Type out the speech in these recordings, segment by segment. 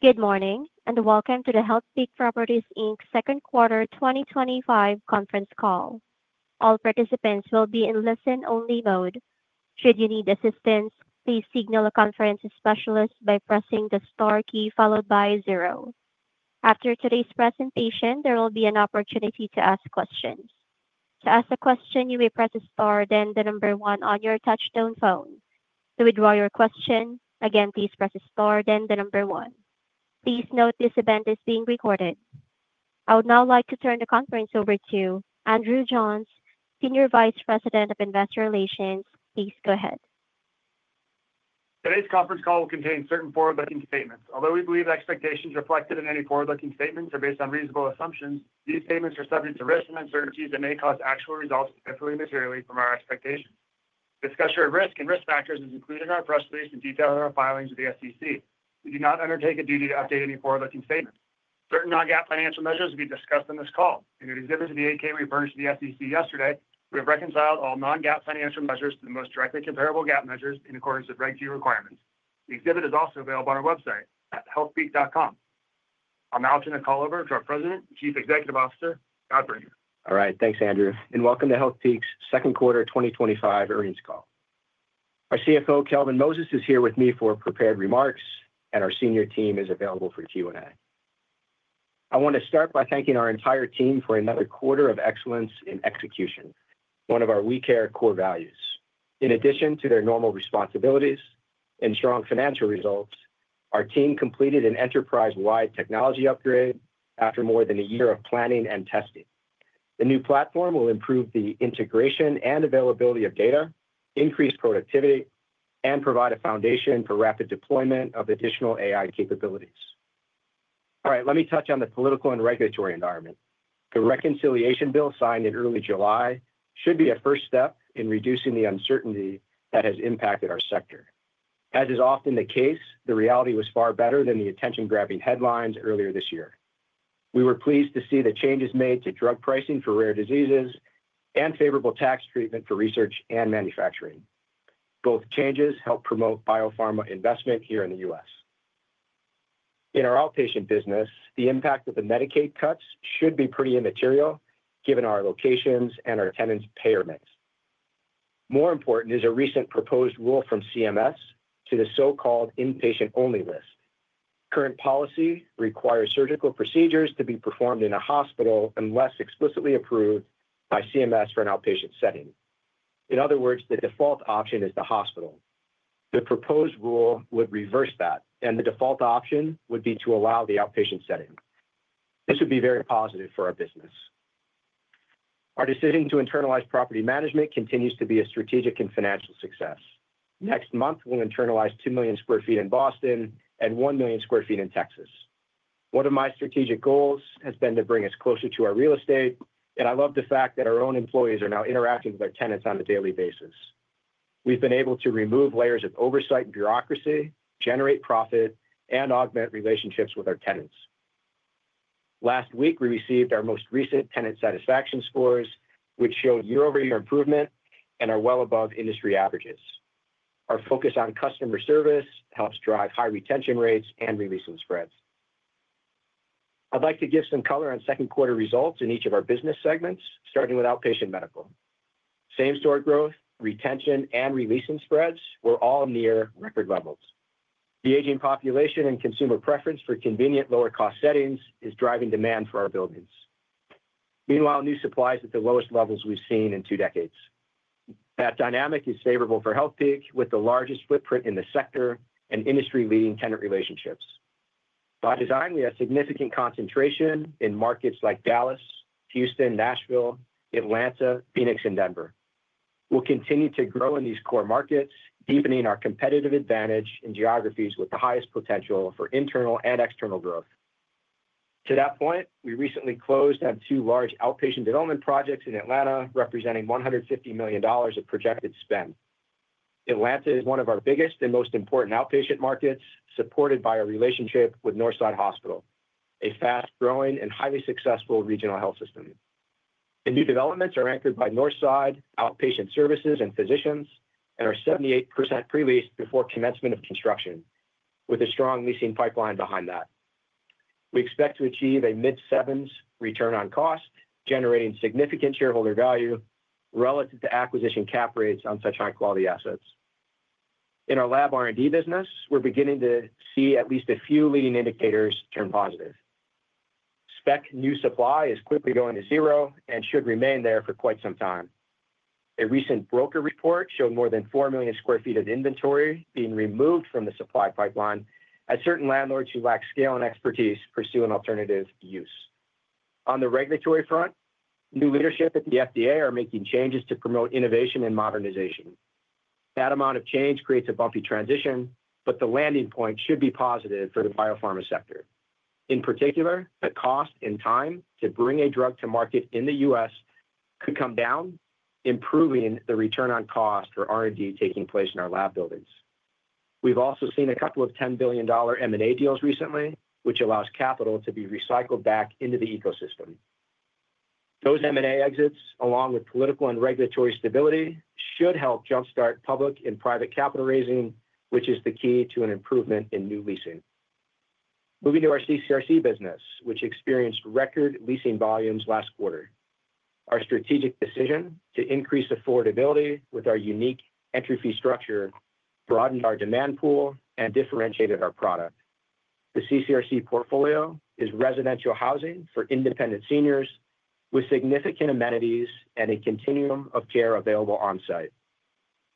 Good morning and welcome to the Healthpeak Properties second quarter 2025 conference call. All participants will be in listen-only mode. Should you need assistance, please signal a conference specialist by pressing the star key followed by zero. After today's presentation, there will be an opportunity to ask questions. To ask a question, you may press the star, then the number one on your touchstone phone. To withdraw your question, again, please press the star, then the number one. Please note this event is being recorded. I would now like to turn the conference over to Andrew Johns, Senior Vice President of Investor Relations. Please go ahead. Today's conference call will contain certain forward-looking statements. Although we believe the expectations reflected in any forward-looking statements are based on reasonable assumptions, these statements are subject to risks and uncertainties that may cause actual results, particularly materially, from our expectations. Discussion of risk and risk factors is included in our press release and detailed in our filings with the SEC. We do not undertake a duty to update any forward-looking statements. Certain non-GAAP financial measures will be discussed on this call, and in the exhibits of the 8-K we furnished to the SEC yesterday, we have reconciled all non-GAAP financial measures to the most directly comparable GAAP measures in accordance with Reg G requirements. The exhibit is also available on our website at healthpeak.com. I'm now turning the call over to our President and Chief Executive Officer, Scott Brinker. All right. Thanks, Andrew. And welcome to Healthpeak's second quarter 2025 earnings call. Our CFO, Kelvin Moses, is here with me for prepared remarks, and our senior team is available for Q&A. I want to start by thanking our entire team for another quarter of excellence in execution, one of our We Care core values. In addition to their normal responsibilities and strong financial results, our team completed an enterprise-wide technology upgrade after more than a year of planning and testing. The new platform will improve the integration and availability of data, increase productivity, and provide a foundation for rapid deployment of additional AI capabilities. All right. Let me touch on the political and regulatory environment. The reconciliation bill signed in early July should be a first step in reducing the uncertainty that has impacted our sector. As is often the case, the reality was far better than the attention-grabbing headlines earlier this year. We were pleased to see the changes made to drug pricing for rare diseases and favorable tax treatment for research and manufacturing. Both changes helped promote biopharma investment here in the U.S. In our outpatient business, the impact of the Medicaid cuts should be pretty immaterial given our locations and our attendance payer mix. More important is a recent proposed rule from CMS to the so-called inpatient-only list. Current policy requires surgical procedures to be performed in a hospital unless explicitly approved by CMS for an outpatient setting. In other words, the default option is the hospital. The proposed rule would reverse that, and the default option would be to allow the outpatient setting. This would be very positive for our business Our decision to internalize property management continues to be a strategic and financial success. Next month, we'll internalize 2 million sq ft in Boston and 1 million sq ft in Texas. One of my strategic goals has been to bring us closer to our real estate, and I love the fact that our own employees are now interacting with our tenants on a daily basis. We've been able to remove layers of oversight and bureaucracy, generate profit, and augment relationships with our tenants. Last week, we received our most recent tenant satisfaction scores, which showed year-over-year improvement and are well above industry averages. Our focus on customer service helps drive high retention rates and release-in spreads. I'd like to give some color on second quarter results in each of our business segments, starting with outpatient medical. Same-store growth, retention, and release-in spreads were all near record levels. The aging population and consumer preference for convenient, lower-cost settings is driving demand for our buildings. Meanwhile, new supply is at the lowest levels we've seen in two decades. That dynamic is favorable for Healthpeak, with the largest footprint in the sector and industry-leading tenant relationships. By design, we have significant concentration in markets like Dallas, Houston, Nashville, Atlanta, Phoenix, and Denver. We'll continue to grow in these core markets, deepening our competitive advantage in geographies with the highest potential for internal and external growth. To that point, we recently closed on two large outpatient development projects in Atlanta, representing $150 million of projected spend. Atlanta is one of our biggest and most important outpatient markets, supported by our relationship with Northside Hospital, a fast-growing and highly successful regional health system. The new developments are anchored by Northside Outpatient Services and Physicians and are 78% pre-leased before commencement of construction, with a strong leasing pipeline behind that. We expect to achieve a mid-sevens return on cost, generating significant shareholder value relative to acquisition cap rates on such high-quality assets. In our lab R&D business, we're beginning to see at least a few leading indicators turn positive. Spec new supply is quickly going to zero and should remain there for quite some time. A recent broker report showed more than 4 million sq ft of inventory being removed from the supply pipeline as certain landlords who lack scale and expertise pursue an alternative use. On the regulatory front, new leadership at the FDA are making changes to promote innovation and modernization. That amount of change creates a bumpy transition, but the landing point should be positive for the biopharma sector. In particular, the cost and time to bring a drug to market in the U.S. could come down, improving the return on cost for R&D taking place in our lab buildings. We've also seen a couple of $10 billion M&A deals recently, which allows capital to be recycled back into the ecosystem. Those M&A exits, along with political and regulatory stability, should help jump-start public and private capital raising, which is the key to an improvement in new leasing. Moving to our CCRC business, which experienced record leasing volumes last quarter. Our strategic decision to increase affordability with our unique entry-fee structure broadened our demand pool and differentiated our product. The CCRC portfolio is residential housing for independent seniors with significant amenities and a continuum of care available on-site.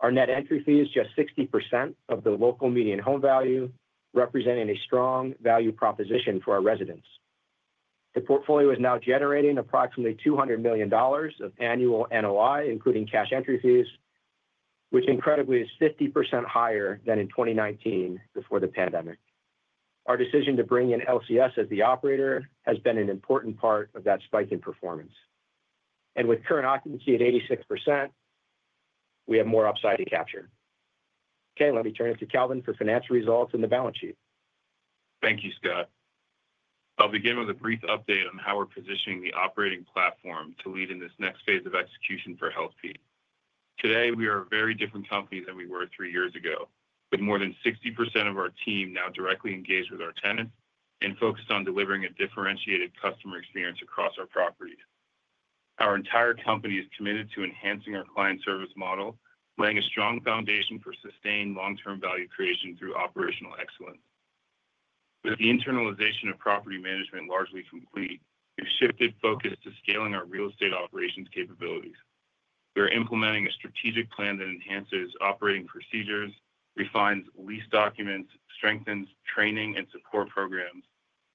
Our net entry fee is just 60% of the local median home value, representing a strong value proposition for our residents. The portfolio is now generating approximately $200 million of annual NOI, including cash entry fees, which incredibly is 50% higher than in 2019 before the pandemic. Our decision to bring in LCS as the operator has been an important part of that spike in performance. With current occupancy at 86%, we have more upside to capture. Okay. Let me turn it to Kelvin for financial results and the balance sheet. Thank you, Scott. I'll begin with a brief update on how we're positioning the operating platform to lead in this next phase of execution for Healthpeak. Today, we are a very different company than we were three years ago, with more than 60% of our team now directly engaged with our tenants and focused on delivering a differentiated customer experience across our properties. Our entire company is committed to enhancing our client service model, laying a strong foundation for sustained long-term value creation through operational excellence. With the internalization of property management largely complete, we've shifted focus to scaling our real estate operations capabilities. We are implementing a strategic plan that enhances operating procedures, refines lease documents, strengthens training and support programs,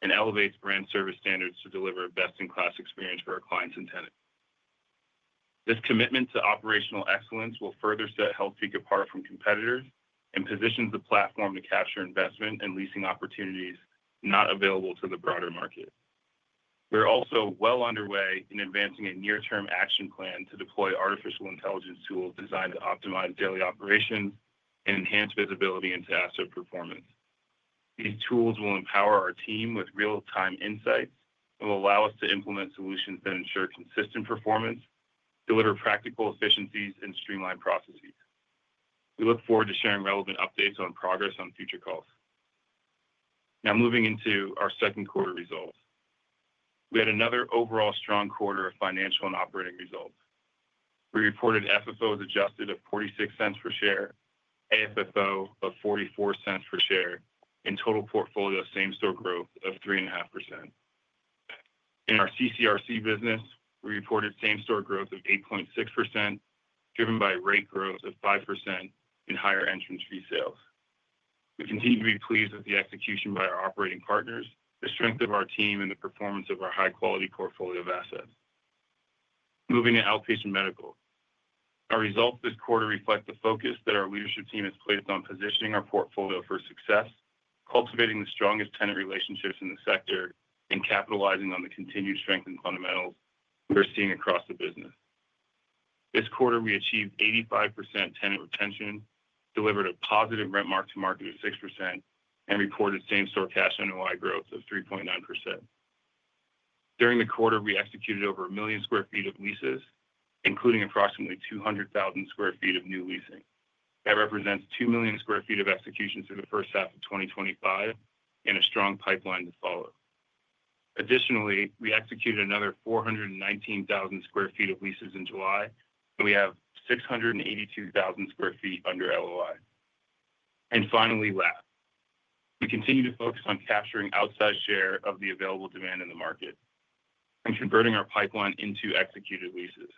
and elevates brand service standards to deliver a best-in-class experience for our clients and tenants. This commitment to operational excellence will further set Healthpeak apart from competitors and positions the platform to capture investment and leasing opportunities not available to the broader market. We're also well underway in advancing a near-term action plan to deploy artificial intelligence tools designed to optimize daily operations and enhance visibility into asset performance. These tools will empower our team with real-time insights and will allow us to implement solutions that ensure consistent performance, deliver practical efficiencies, and streamline processes. We look forward to sharing relevant updates on progress on future calls. Now, moving into our second quarter results, we had another overall strong quarter of financial and operating results. We reported FFOs adjusted of $0.46 per share, AFFO of $0.44 per share, and total portfolio same-store growth of 3.5%. In our CCRC business, we reported same-store growth of 8.6%, driven by rate growth of 5% and higher entrance fee sales. We continue to be pleased with the execution by our operating partners, the strength of our team, and the performance of our high-quality portfolio of assets. Moving to outpatient medical. Our results this quarter reflect the focus that our leadership team has placed on positioning our portfolio for success, cultivating the strongest tenant relationships in the sector, and capitalizing on the continued strength and fundamentals we're seeing across the business. This quarter, we achieved 85% tenant retention, delivered a positive rent mark-to-market of 6%, and reported same-store cash NOI growth of 3.9%. During the quarter, we executed over 1 million sq ft of leases, including approximately 200,000 sq ft of new leasing. That represents 2 million sq ft of execution through the first half of 2025 and a strong pipeline to follow. Additionally, we executed another 419,000 sq ft of leases in July, and we have 682,000 sq ft under LOI. Finally, lab. We continue to focus on capturing outside share of the available demand in the market and converting our pipeline into executed leases.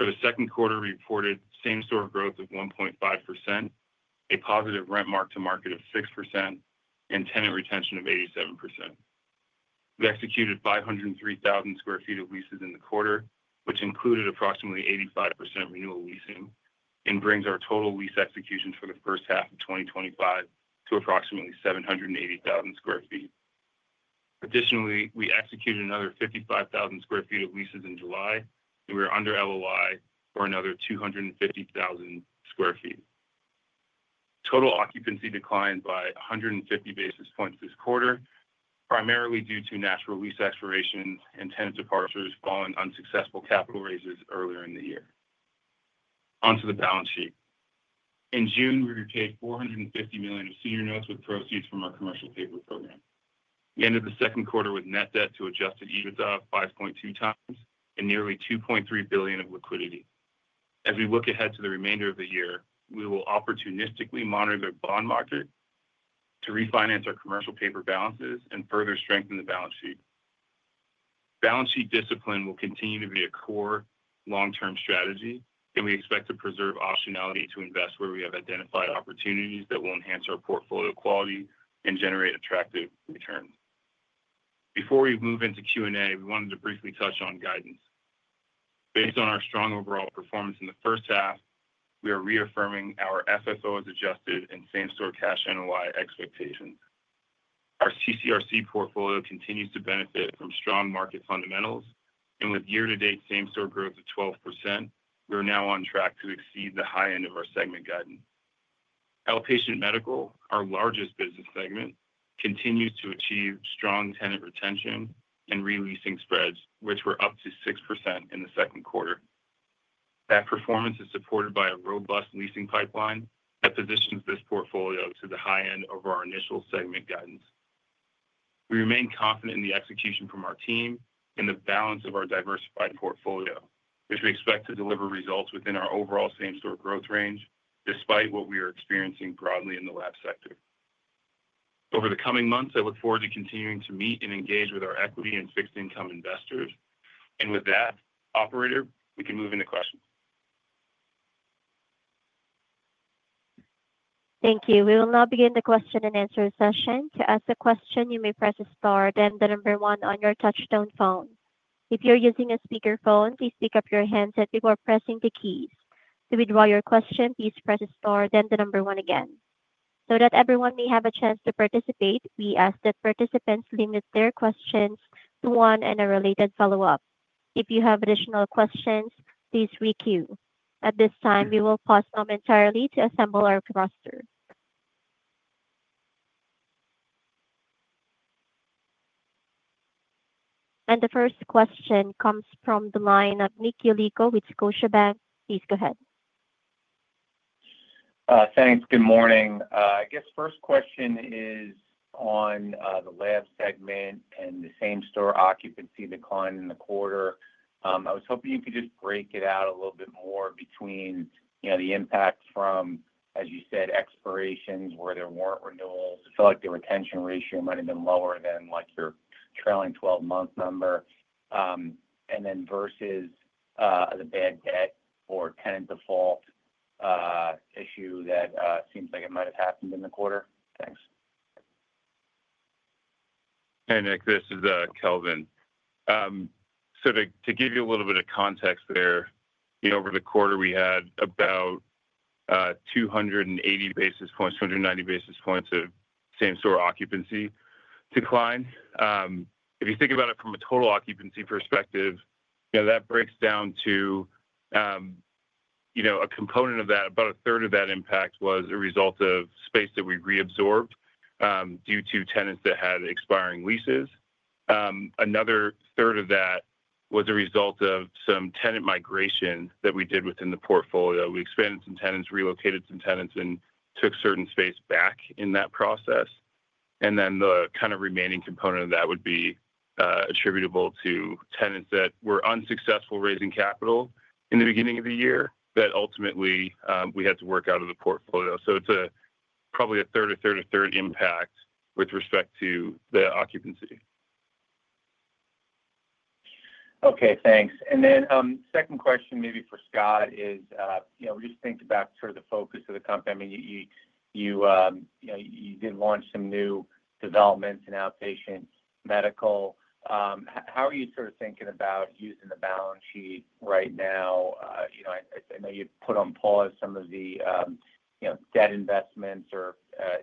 For the second quarter, we reported same-store growth of 1.5%, a positive rent mark-to-market of 6%, and tenant retention of 87%. We executed 503,000 sq ft of leases in the quarter, which included approximately 85% renewal leasing, and brings our total lease executions for the first half of 2025 to approximately 780,000 sq ft. Additionally, we executed another 55,000 sq ft of leases in July, and we were under LOI for another 250,000 sq ft. Total occupancy declined by 150 basis points this quarter, primarily due to natural lease expirations and tenant departures following unsuccessful capital raises earlier in the year. Onto the balance sheet. In June, we retained $450 million of senior notes with proceeds from our commercial paper program. We ended the second quarter with net debt to adjusted EBITDA of 5.2x and nearly $2.3 billion of liquidity. As we look ahead to the remainder of the year, we will opportunistically monitor the bond market to refinance our commercial paper balances and further strengthen the balance sheet. Balance sheet discipline will continue to be a core long-term strategy, and we expect to preserve optionality to invest where we have identified opportunities that will enhance our portfolio quality and generate attractive returns. Before we move into Q&A, we wanted to briefly touch on guidance. Based on our strong overall performance in the first half, we are reaffirming our FFOs adjusted and same-store cash NOI expectations. Our CCRC portfolio continues to benefit from strong market fundamentals, and with year-to-date same-store growth of 12%, we're now on track to exceed the high end of our segment guidance. Outpatient medical, our largest business segment, continues to achieve strong tenant retention and re-leasing spreads, which were up to 6% in the second quarter. That performance is supported by a robust leasing pipeline that positions this portfolio to the high end of our initial segment guidance. We remain confident in the execution from our team and the balance of our diversified portfolio, which we expect to deliver results within our overall same-store growth range despite what we are experiencing broadly in the lab sector. Over the coming months, I look forward to continuing to meet and engage with our equity and fixed-income investors. With that, Operator, we can move into questions. Thank you. We will now begin the question and answer session. To ask a question, you may press star, then the number one on your touchstone phone. If you're using a speakerphone, please pick up your handset before pressing the keys. To withdraw your question, please press star, then the number one again. So that everyone may have a chance to participate, we ask that participants limit their questions to one and a related follow-up. If you have additional questions, please re-queue. At this time, we will pause momentarily to assemble our roster. The first question comes from the line of Nick Yulico with Scotiabank. Please go ahead. Thanks. Good morning. I guess first question is on the lab segment and the same-store occupancy decline in the quarter. I was hoping you could just break it out a little bit more between the impact from, as you said, expirations where there were not renewals. It felt like the retention ratio might have been lower than your trailing 12-month number. And then versus the bad debt or tenant default issue that seems like it might have happened in the quarter. Thanks. Hey, Nick. This is Kelvin. To give you a little bit of context there, over the quarter, we had about 280 basis points, 290 basis points of same-store occupancy decline. If you think about it from a total occupancy perspective, that breaks down to a component of that, about a third of that impact was a result of space that we reabsorbed due to tenants that had expiring leases. Another third of that was a result of some tenant migration that we did within the portfolio. We expanded some tenants, relocated some tenants, and took certain space back in that process. The kind of remaining component of that would be attributable to tenants that were unsuccessful raising capital in the beginning of the year that ultimately we had to work out of the portfolio. It is probably a third, a third, a third impact with respect to the occupancy. Okay. Thanks. Second question maybe for Scott is, we're just thinking about sort of the focus of the company. I mean, you did launch some new developments in outpatient medical. How are you sort of thinking about using the balance sheet right now? I know you put on pause some of the debt investments or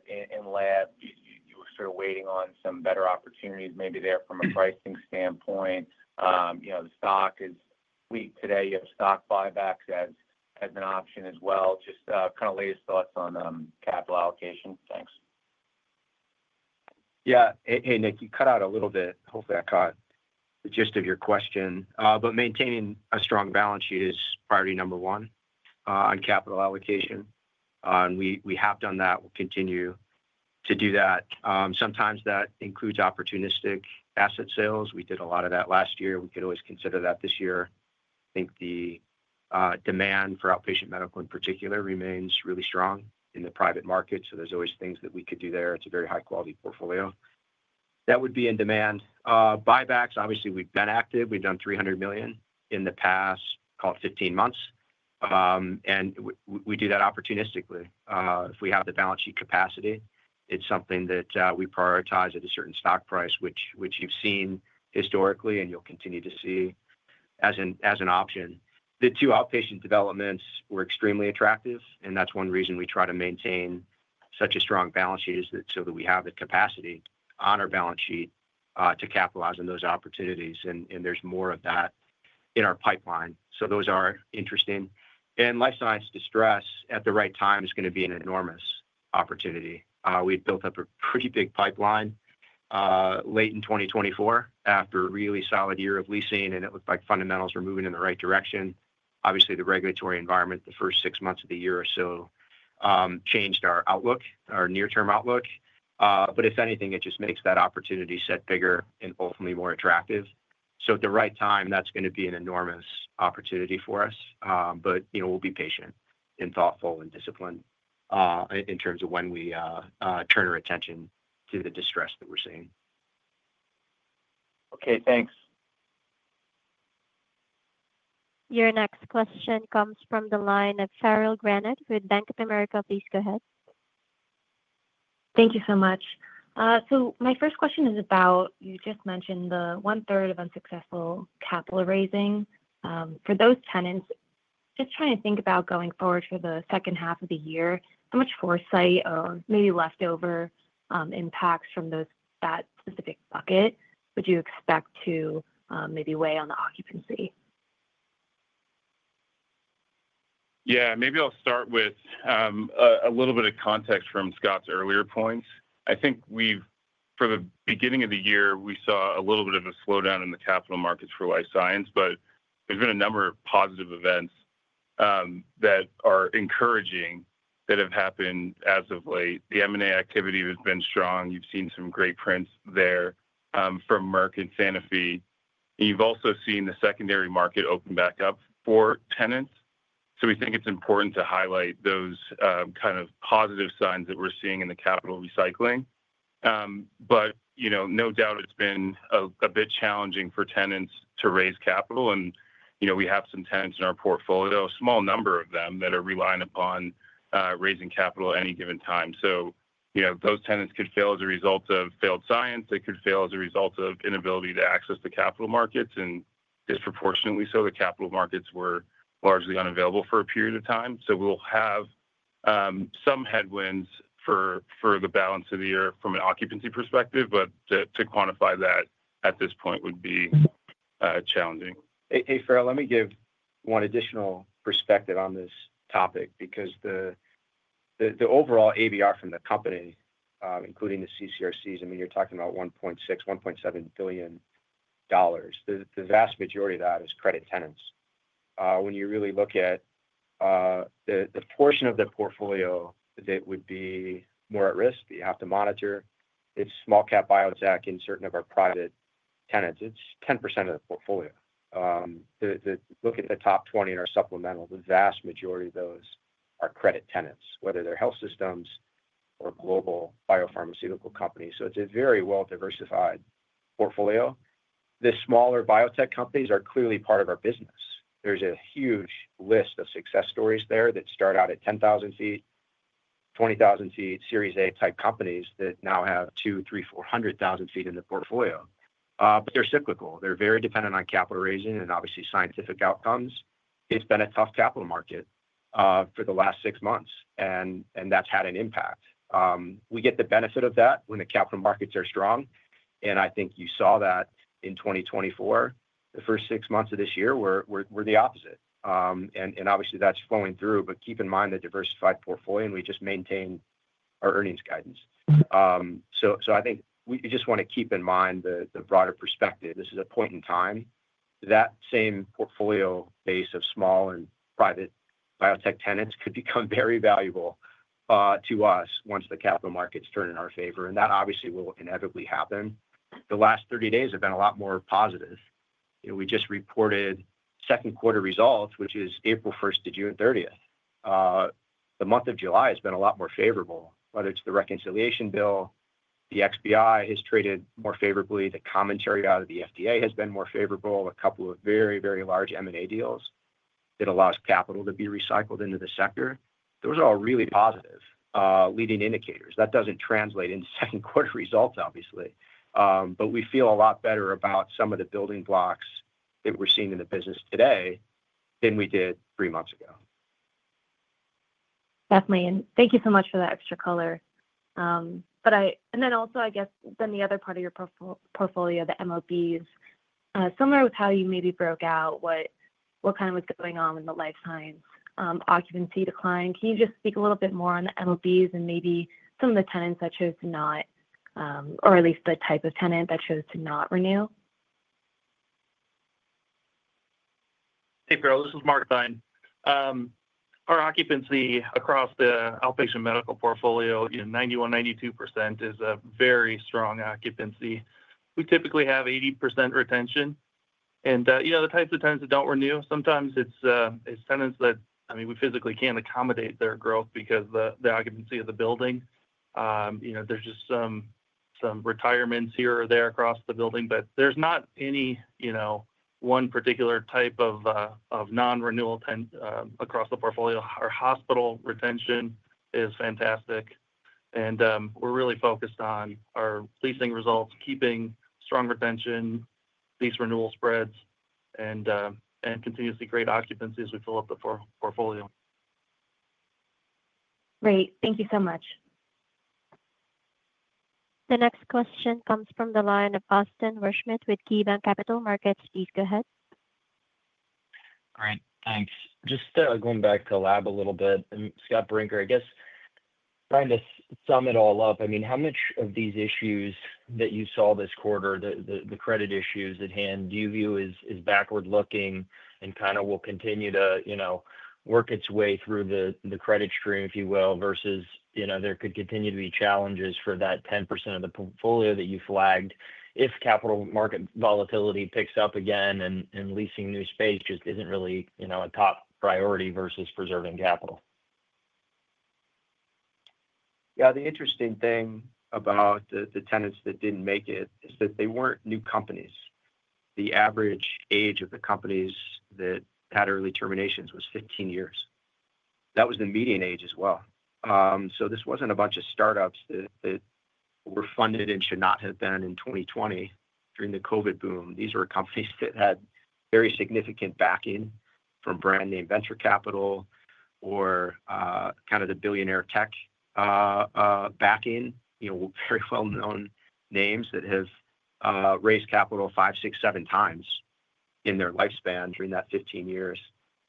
in lab. You were sort of waiting on some better opportunities maybe there from a pricing standpoint. The stock is weak today. You have stock buybacks as an option as well. Just kind of latest thoughts on capital allocation. Thanks. Yeah. Hey, Nick, you cut out a little bit. Hopefully, I caught the gist of your question. But maintaining a strong balance sheet is priority number one on capital allocation. And we have done that. We'll continue to do that. Sometimes that includes opportunistic asset sales. We did a lot of that last year. We could always consider that this year. I think the demand for outpatient medical in particular remains really strong in the private market. So there's always things that we could do there. It's a very high-quality portfolio. That would be in demand. Buybacks, obviously, we've been active. We've done $300 million in the past, call it 15 months. And we do that opportunistically. If we have the balance sheet capacity, it's something that we prioritize at a certain stock price, which you've seen historically and you'll continue to see as an option. The two outpatient developments were extremely attractive, and that's one reason we try to maintain such a strong balance sheet is so that we have the capacity on our balance sheet to capitalize on those opportunities. And there's more of that in our pipeline. So those are interesting. And life science distress at the right time is going to be an enormous opportunity. We've built up a pretty big pipeline. Late in 2024, after a really solid year of leasing, and it looked like fundamentals were moving in the right direction. Obviously, the regulatory environment, the first six months of the year or so, changed our outlook, our near-term outlook. If anything, it just makes that opportunity set bigger and ultimately more attractive. At the right time, that's going to be an enormous opportunity for us. We'll be patient and thoughtful and disciplined in terms of when we turn our attention to the distress that we're seeing. Okay. Thanks. Your next question comes from the line of Farrell Granath with Bank of America. Please go ahead. Thank you so much. My first question is about, you just mentioned the one-third of unsuccessful capital raising. For those tenants, just trying to think about going forward for the second half of the year, how much foresight or maybe leftover impacts from that specific bucket would you expect to maybe weigh on the occupancy? Yeah. Maybe I'll start with a little bit of context from Scott's earlier points. I think for the beginning of the year, we saw a little bit of a slowdown in the capital markets for life science, but there's been a number of positive events that are encouraging that have happened as of late. The M&A activity has been strong. You've seen some great prints there from Merck and Sanofi. You've also seen the secondary market open back up for tenants. We think it's important to highlight those kind of positive signs that we're seeing in the capital recycling. No doubt it's been a bit challenging for tenants to raise capital. We have some tenants in our portfolio, a small number of them, that are relying upon raising capital at any given time. Those tenants could fail as a result of failed science. They could fail as a result of inability to access the capital markets. Disproportionately so, the capital markets were largely unavailable for a period of time. We'll have some headwinds for the balance of the year from an occupancy perspective, but to quantify that at this point would be challenging. Hey, Farrell, let me give one additional perspective on this topic because. The overall ABR from the company, including the CCRCs, I mean, you're talking about $1.6 billion-$1.7 billion. The vast majority of that is credit tenants. When you really look at the portion of the portfolio that would be more at risk that you have to monitor, it's small-cap biotech in certain of our private tenants. It's 10% of the portfolio. Look at the top 20 in our supplemental. The vast majority of those are credit tenants, whether they're health systems or global biopharmaceutical companies. It's a very well-diversified portfolio. The smaller biotech companies are clearly part of our business. There's a huge list of success stories there that start out at 10,000 sq ft, 20,000 sq ft, Series A type companies that now have 200,000 sq ft-400,000 sq ft in the portfolio. They're cyclical. They're very dependent on capital raising and obviously scientific outcomes. It's been a tough capital market for the last six months, and that's had an impact. We get the benefit of that when the capital markets are strong. I think you saw that in 2024, the first six months of this year were the opposite. Obviously, that's flowing through, but keep in mind the diversified portfolio, and we just maintain our earnings guidance. I think you just want to keep in mind the broader perspective. This is a point in time that same portfolio base of small and private biotech tenants could become very valuable to us once the capital markets turn in our favor. That obviously will inevitably happen. The last 30 days have been a lot more positive. We just reported second-quarter results, which is April 1st to June 30th. The month of July has been a lot more favorable, whether it's the reconciliation bill. The XBI has traded more favorably. The commentary out of the FDA has been more favorable. A couple of very, very large M&A deals that allow capital to be recycled into the sector. Those are all really positive leading indicators. That doesn't translate into second-quarter results, obviously. We feel a lot better about some of the building blocks that we're seeing in the business today than we did three months ago. Definitely. Thank you so much for that extra color. I guess the other part of your portfolio, the MOBs. Similar with how you maybe broke out what kind of was going on with the life science occupancy decline. Can you just speak a little bit more on the MOBs and maybe some of the tenants that chose to not, or at least the type of tenant that chose to not renew? Hey, Farrell. This is Mark Theine. Our occupancy across the outpatient medical portfolio, 91%-92% is a very strong occupancy. We typically have 80% retention. And the types of tenants that do not renew, sometimes it is tenants that, I mean, we physically cannot accommodate their growth because of the occupancy of the building. There is just some retirements here or there across the building, but there is not any one particular type of non-renewal across the portfolio. Our hospital retention is fantastic. We are really focused on our leasing results, keeping strong retention, lease renewal spreads, and continuously great occupancy as we fill up the portfolio. Great. Thank you so much. The next question comes from the line of Austin Wurschmidt with KeyBanc Capital Markets. Please go ahead. Great. Thanks. Just going back to lab a little bit. Scott Brinker, I guess. Trying to sum it all up, I mean, how much of these issues that you saw this quarter, the credit issues at hand, do you view as backward-looking and kind of will continue to work its way through the credit stream, if you will, versus there could continue to be challenges for that 10% of the portfolio that you flagged if capital market volatility picks up again and leasing new space just isn't really a top priority versus preserving capital? Yeah. The interesting thing about the tenants that did not make it is that they were not new companies. The average age of the companies that had early terminations was 15 years. That was the median age as well. This was not a bunch of startups that were funded and should not have been in 2020 during the COVID boom. These were companies that had very significant backing from brand-name venture capital or kind of the billionaire tech backing. Very well-known names that have raised capital five, six, seven times in their lifespan during that 15 years.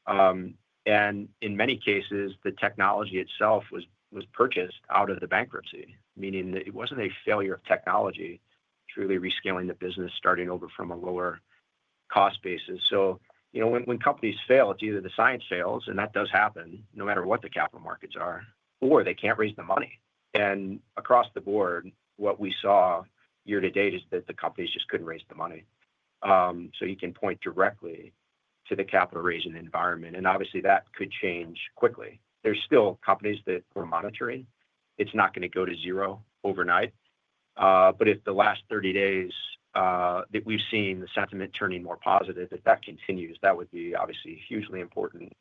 In many cases, the technology itself was purchased out of the bankruptcy, meaning that it was not a failure of technology, truly rescaling the business, starting over from a lower cost basis. When companies fail, it is either the science fails, and that does happen no matter what the capital markets are, or they cannot raise the money. Across the board, what we saw year to date is that the companies just could not raise the money. You can point directly to the capital raising environment. Obviously, that could change quickly. There are still companies that we are monitoring. It is not going to go to zero overnight. If the last 30 days that we have seen the sentiment turning more positive, if that continues, that would be obviously hugely important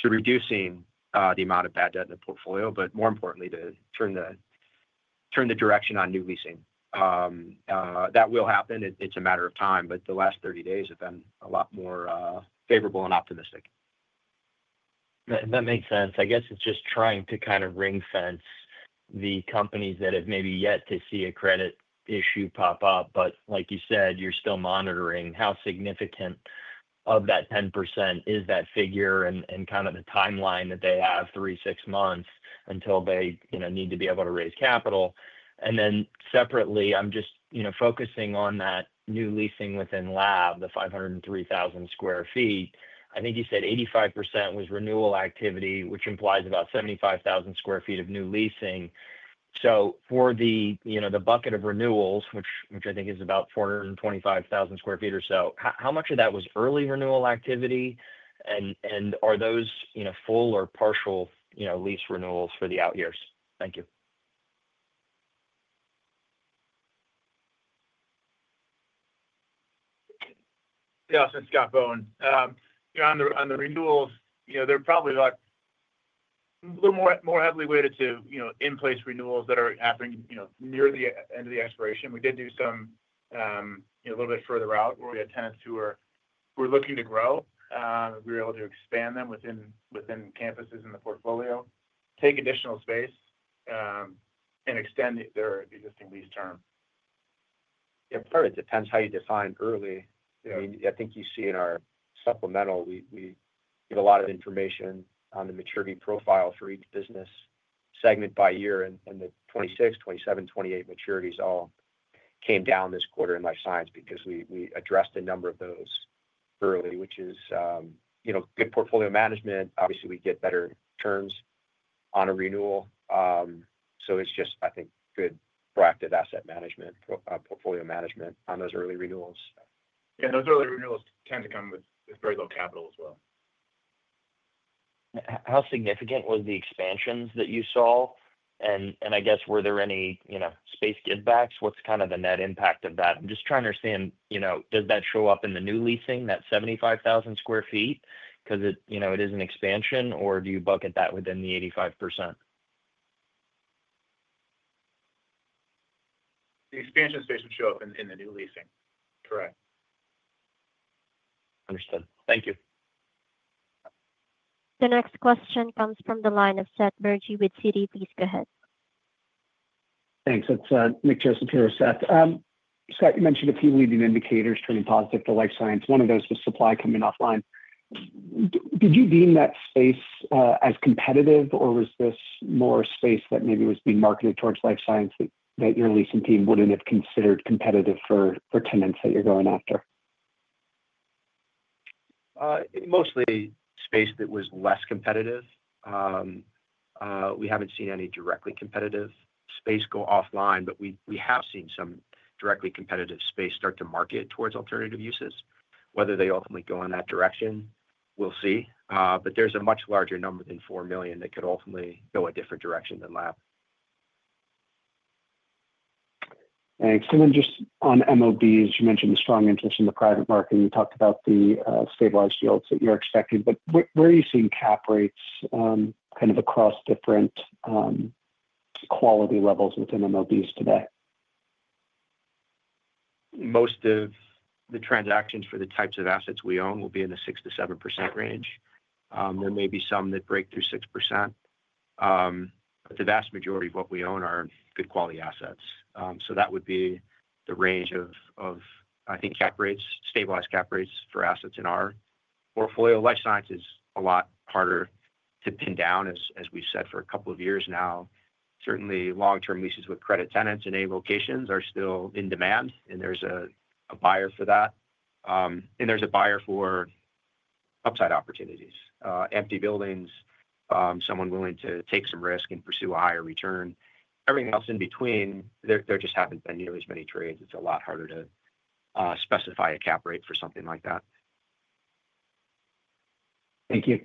to reducing the amount of bad debt in the portfolio, but more importantly, to turn the direction on new leasing. That will happen. It is a matter of time, but the last 30 days have been a lot more favorable and optimistic. That makes sense. I guess it's just trying to kind of ring-fence the companies that have maybe yet to see a credit issue pop up. Like you said, you're still monitoring how significant of that 10% is that figure and kind of the timeline that they have, three to six months until they need to be able to raise capital. Separately, I'm just focusing on that new leasing within lab, the 503,000 sq ft. I think you said 85% was renewal activity, which implies about 75,000 sq ft of new leasing. For the bucket of renewals, which I think is about 425,000 sq ft or so, how much of that was early renewal activity? Are those full or partial lease renewals for the out years? Thank you. Yeah. This is Scott Brinker. On the renewals, they're probably a little more heavily weighted to in-place renewals that are happening near the end of the expiration. We did do some a little bit further out where we had tenants who were looking to grow. We were able to expand them within campuses in the portfolio, take additional space, and extend their existing lease term. Yeah. Part of it depends how you define early. I mean, I think you see in our supplemental, we get a lot of information on the maturity profile for each business segment by year. And the 2026, 2027, 2028 maturities all came down this quarter in life science because we addressed a number of those early, which is good portfolio management. Obviously, we get better terms on a renewal. It is just, I think, good proactive asset management, portfolio management on those early renewals. Yeah. Those early renewals tend to come with very low capital as well. How significant were the expansions that you saw? I guess, were there any space give-backs? What is kind of the net impact of that? I'm just trying to understand, does that show up in the new leasing, that 75,000 sq ft? Because it is an expansion, or do you bucket that within the 85%? The expansion space would show up in the new leasing. Correct. Understood. Thank you. The next question comes from the line of Seth Bergey with Citi. Please go ahead. Thanks. It's Nick Joseph here with Seth. Scott, you mentioned a few leading indicators turning positive for life science. One of those was supply coming offline. Did you deem that space as competitive, or was this more space that maybe was being marketed towards life science that your leasing team wouldn't have considered competitive for tenants that you're going after? Mostly space that was less competitive. We haven't seen any directly competitive space go offline, but we have seen some directly competitive space start to market towards alternative uses. Whether they ultimately go in that direction, we'll see. There is a much larger number than 4 million that could ultimately go a different direction than lab. Thanks. And then just on MOBs, you mentioned the strong interest in the private market. You talked about the stabilized yields that you're expecting. Where are you seeing cap rates kind of across different quality levels within MOBs today? Most of the transactions for the types of assets we own will be in the 6%-7% range. There may be some that break through 6%. The vast majority of what we own are good quality assets. That would be the range of, I think, cap rates, stabilized cap rates for assets in our portfolio. Life science is a lot harder to pin down, as we've said, for a couple of years now. Certainly, long-term leases with credit tenants in a location are still in demand, and there's a buyer for that. There's a buyer for upside opportunities, empty buildings, someone willing to take some risk and pursue a higher return. Everything else in between, there just haven't been nearly as many trades. It's a lot harder to specify a cap rate for something like that. Thank you.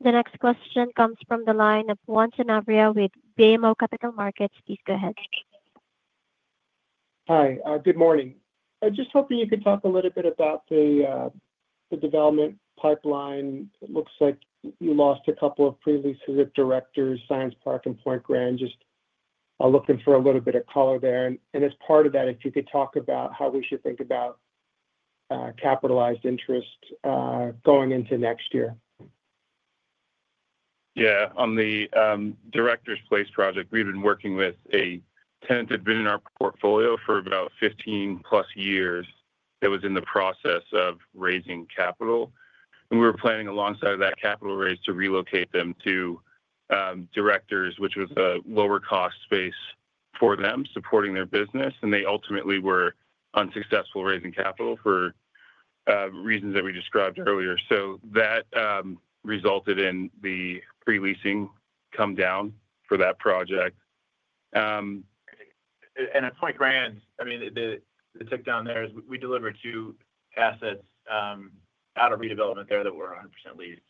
The next question comes from the line of Juan Sanabria with BMO Capital Markets. Please go ahead. Hi. Good morning. I was just hoping you could talk a little bit about the development pipeline. It looks like you lost a couple of pre-leases of Directors Place, Science Park, and Point Grand. Just looking for a little bit of color there. As part of that, if you could talk about how we should think about capitalized interest going into next year. Yeah. On the Directors Place project, we've been working with a tenant that had been in our portfolio for about 15-plus years that was in the process of raising capital. We were planning alongside of that capital raise to relocate them to Directors, which was a lower-cost space for them, supporting their business. They ultimately were unsuccessful raising capital for reasons that we described earlier. That resulted in the pre-leasing come down for that project. At Point Grand, I mean, the takedown there is we delivered two assets out of redevelopment there that were 100% leased.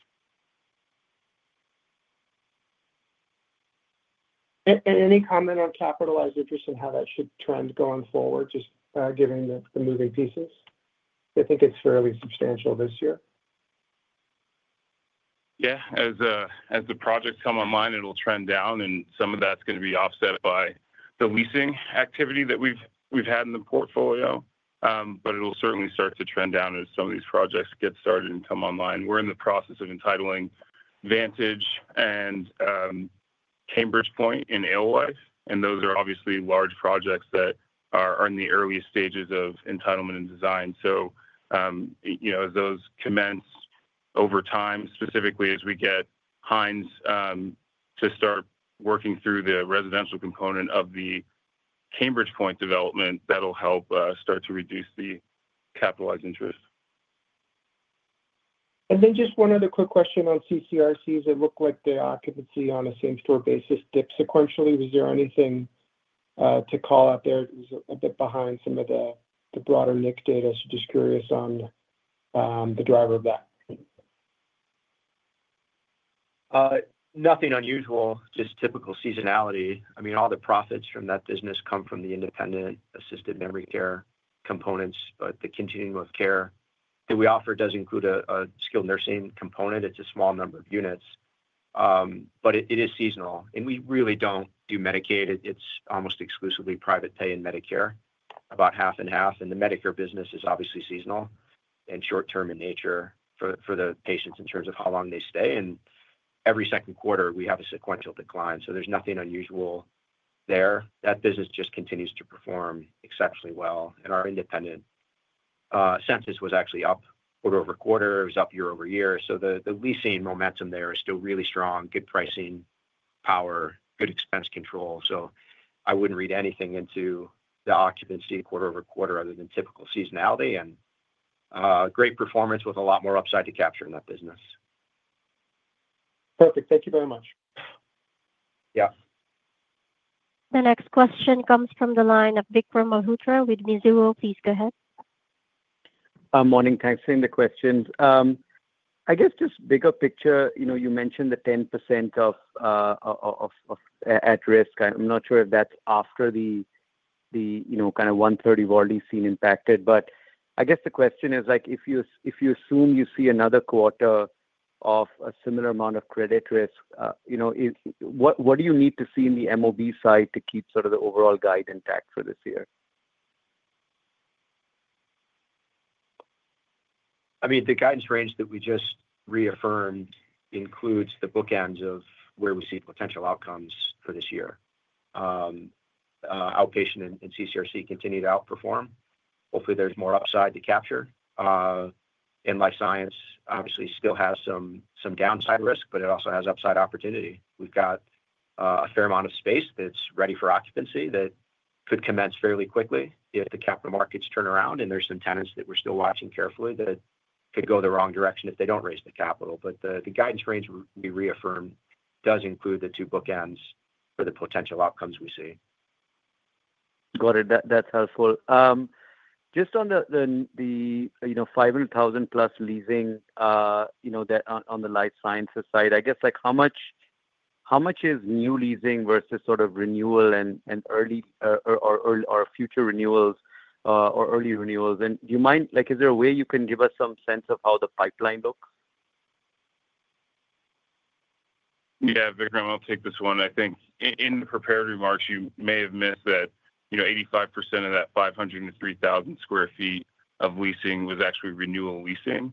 Any comment on capitalized interest and how that should trend going forward, just given the moving pieces? I think it's fairly substantial this year. Yeah. As the projects come online, it'll trend down. Some of that's going to be offset by the leasing activity that we've had in the portfolio. It'll certainly start to trend down as some of these projects get started and come online. We're in the process of entitling Vantage and Cambridge Point in Alewife. Those are obviously large projects that are in the early stages of entitlement and design. As those commence over time, specifically as we get Hines to start working through the residential component of the Cambridge Point development, that'll help start to reduce the capitalized interest. Just one other quick question on CCRCs. It looked like the occupancy on a same-store basis dipped sequentially. Was there anything to call out there? It was a bit behind some of the broader NIC data. Just curious on the driver of that. Nothing unusual, just typical seasonality. I mean, all the profits from that business come from the independent assisted memory care components. The continuum of care that we offer does include a skilled nursing component. It is a small number of units. It is seasonal. We really do not do Medicaid. It is almost exclusively private pay and Medicare, about half and half. The Medicare business is obviously seasonal and short-term in nature for the patients in terms of how long they stay. Every second quarter, we have a sequential decline. There is nothing unusual there. That business just continues to perform exceptionally well. Our independent census was actually up quarter over quarter. It was up year over year. The leasing momentum there is still really strong, good pricing power, good expense control. I would not read anything into the occupancy quarter over quarter other than typical seasonality and great performance with a lot more upside to capture in that business. Perfect. Thank you very much. Yeah. The next question comes from the line of Vikram Malhotra with Mizuho. Please go ahead. Morning. Thanks for the question. I guess just bigger picture, you mentioned the 10% of at risk. I'm not sure if that's after the kind of 130 volume seen impacted. I guess the question is, if you assume you see another quarter of a similar amount of credit risk, what do you need to see in the MOB side to keep sort of the overall guide intact for this year? I mean, the guidance range that we just reaffirmed includes the bookends of where we see potential outcomes for this year. Outpatient and CCRC continue to outperform. Hopefully, there's more upside to capture. Life science, obviously, still has some downside risk, but it also has upside opportunity. We've got a fair amount of space that's ready for occupancy that could commence fairly quickly if the capital markets turn around. There are some tenants that we're still watching carefully that could go the wrong direction if they don't raise the capital. The guidance range we reaffirmed does include the two bookends for the potential outcomes we see. Got it. That's helpful. Just on the $500,000+ leasing on the life sciences side, I guess how much is new leasing versus sort of renewal and early or future renewals or early renewals? Do you mind, is there a way you can give us some sense of how the pipeline looks? Yeah. Vikram, I'll take this one. I think in the prepared remarks, you may have missed that 85% of that 500 sq ft-3,000 sq ft of leasing was actually renewal leasing.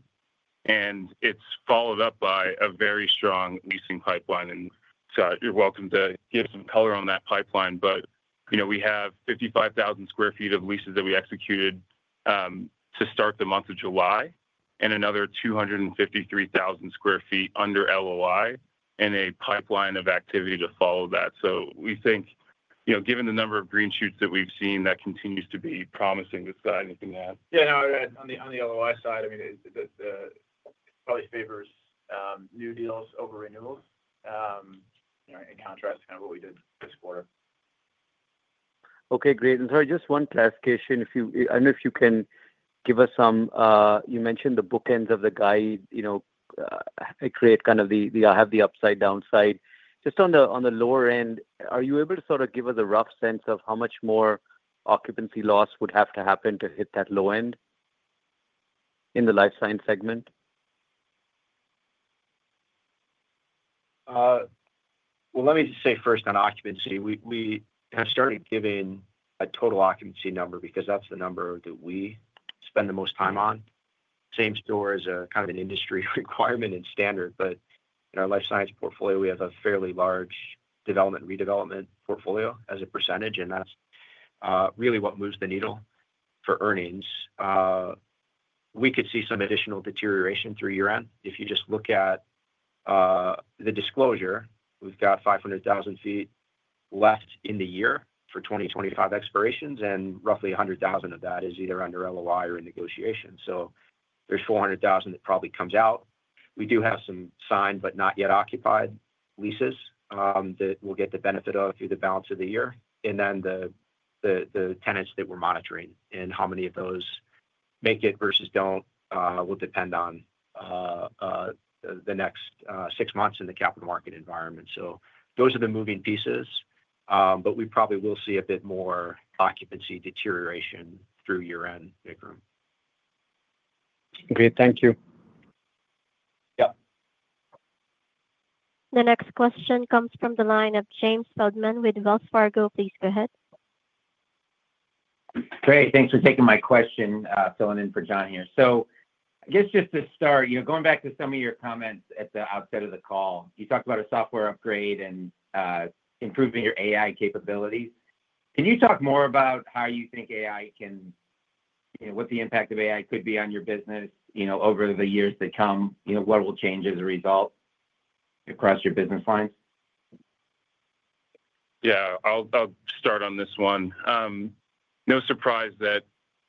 It is followed up by a very strong leasing pipeline. Scott, you're welcome to give some color on that pipeline. We have 55,000 sq ft of leases that we executed to start the month of July and another 253,000 sq ft under LOI and a pipeline of activity to follow that. We think, given the number of green shoots that we've seen, that continues to be promising. Scott, anything to add? Yeah. No, on the LOI side, I mean. It probably favors new deals over renewals. In contrast to kind of what we did this quarter. Okay. Great. Sorry, just one clarification. I do not know if you can give us some—you mentioned the bookends of the guide. I create kind of the—I have the upside, downside. Just on the lower end, are you able to sort of give us a rough sense of how much more occupancy loss would have to happen to hit that low end in the life science segment? Let me say first on occupancy. We have started giving a total occupancy number because that's the number that we spend the most time on. Same store is kind of an industry requirement and standard. In our life science portfolio, we have a fairly large development and redevelopment portfolio as a percentage. That's really what moves the needle for earnings. We could see some additional deterioration through year-end. If you just look at the disclosure, we've got 500,000 sq ft left in the year for 2025 expirations, and roughly 100,000 of that is either under LOI or in negotiation. There's 400,000 that probably comes out. We do have some signed but not yet occupied leases that we'll get the benefit of through the balance of the year. The tenants that we're monitoring and how many of those make it versus don't will depend on the next six months in the capital market environment. Those are the moving pieces. We probably will see a bit more occupancy deterioration through year-end, Vikram. Great. Thank you. Yeah. The next question comes from the line of James Feldman with Wells Fargo. Please go ahead. Great. Thanks for taking my question, filling in for John here. I guess just to start, going back to some of your comments at the outset of the call, you talked about a software upgrade and improving your AI capabilities. Can you talk more about how you think AI can—what the impact of AI could be on your business over the years that come? What will change as a result. Across your business lines? Yeah. I'll start on this one. No surprise that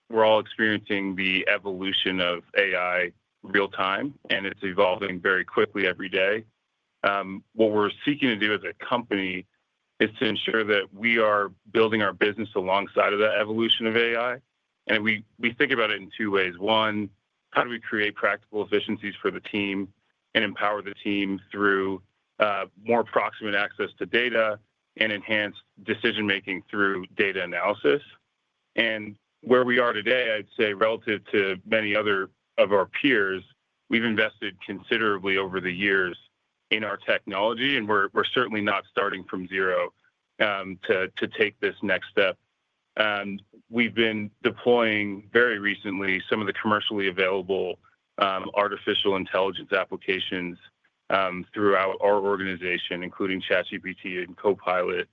we're all experiencing the evolution of AI real-time, and it's evolving very quickly every day. What we're seeking to do as a company is to ensure that we are building our business alongside of that evolution of AI. We think about it in two ways. One, how do we create practical efficiencies for the team and empower the team through more proximate access to data and enhanced decision-making through data analysis? Where we are today, I'd say relative to many other of our peers, we've invested considerably over the years in our technology. We're certainly not starting from zero to take this next step. We've been deploying very recently some of the commercially available artificial intelligence applications throughout our organization, including ChatGPT and Copilot.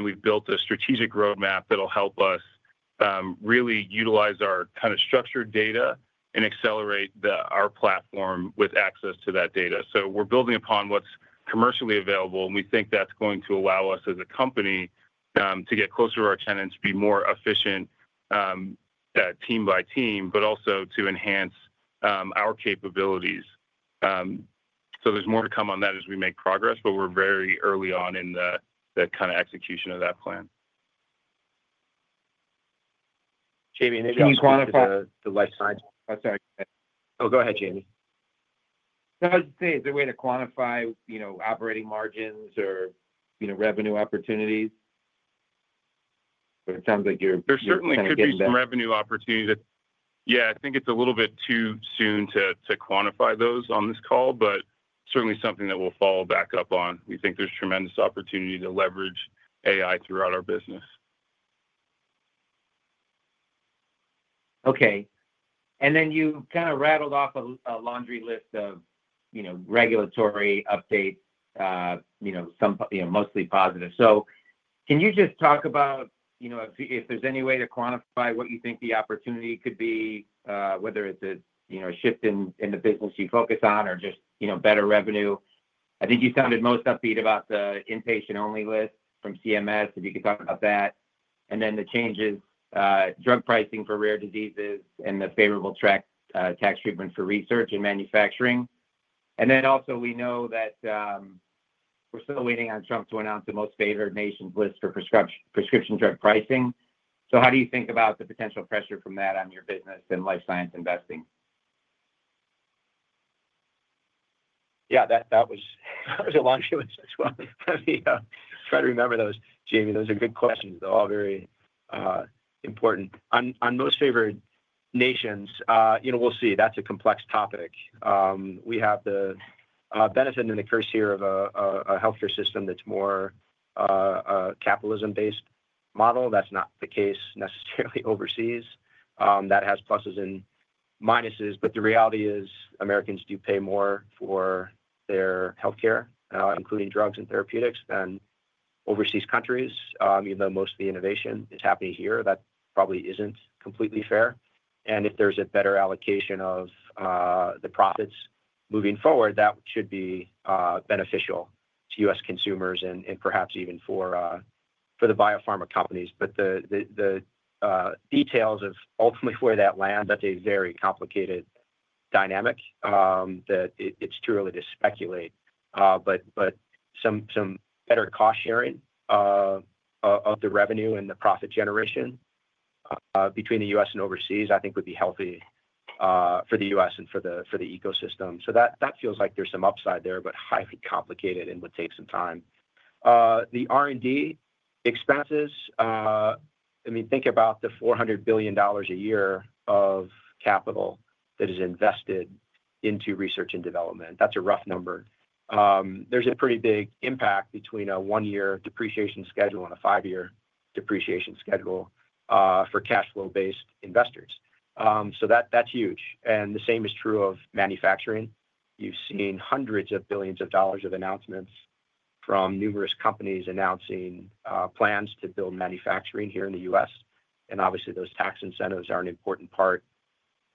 We've built a strategic roadmap that'll help us really utilize our kind of structured data and accelerate our platform with access to that data. We're building upon what's commercially available. We think that's going to allow us as a company to get closer to our tenants, be more efficient team by team, but also to enhance our capabilities. There's more to come on that as we make progress, but we're very early on in the kind of execution of that plan. James, maybe I'll— Can you quantify the life science? Oh, sorry. Oh, go ahead, James. I was just saying, is there a way to quantify operating margins or revenue opportunities? It sounds like you're— There certainly could be some revenue opportunities. Yeah. I think it's a little bit too soon to quantify those on this call, but certainly something that we'll follow back up on. We think there's tremendous opportunity to leverage AI throughout our business. Okay. And then you kind of rattled off a laundry list of regulatory updates. Mostly positive. Can you just talk about if there's any way to quantify what you think the opportunity could be, whether it's a shift in the business you focus on or just better revenue? I think you sounded most upbeat about the inpatient-only list from CMS. If you could talk about that. And then the changes, drug pricing for rare diseases and the favorable tax treatment for research and manufacturing. Also, we know that we're still waiting on Trump to announce the most favored nation's list for prescription drug pricing. How do you think about the potential pressure from that on your business and life science investing? Yeah. That was a laundry list as well. I'm trying to remember those, James. Those are good questions. They're all very important. On most favored nations, we'll see. That's a complex topic. We have the benefit and the curse here of a healthcare system that's more capitalism-based model. That's not the case necessarily overseas. That has pluses and minuses. The reality is Americans do pay more for their healthcare, including drugs and therapeutics, than overseas countries, even though most of the innovation is happening here. That probably isn't completely fair. If there's a better allocation of the profits moving forward, that should be beneficial to U.S. consumers and perhaps even for the biopharma companies. The details of ultimately where that lands, that's a very complicated dynamic that it's too early to speculate. Some better cost-sharing of the revenue and the profit generation between the U.S. and overseas, I think, would be healthy for the U.S. and for the ecosystem. That feels like there's some upside there, but highly complicated and would take some time. The R&D expenses. I mean, think about the $400 billion a year of capital that is invested into research and development. That's a rough number. There's a pretty big impact between a one-year depreciation schedule and a five-year depreciation schedule for cash flow-based investors. That's huge. The same is true of manufacturing. You've seen hundreds of billions of dollars of announcements from numerous companies announcing plans to build manufacturing here in the U.S. Obviously, those tax incentives are an important part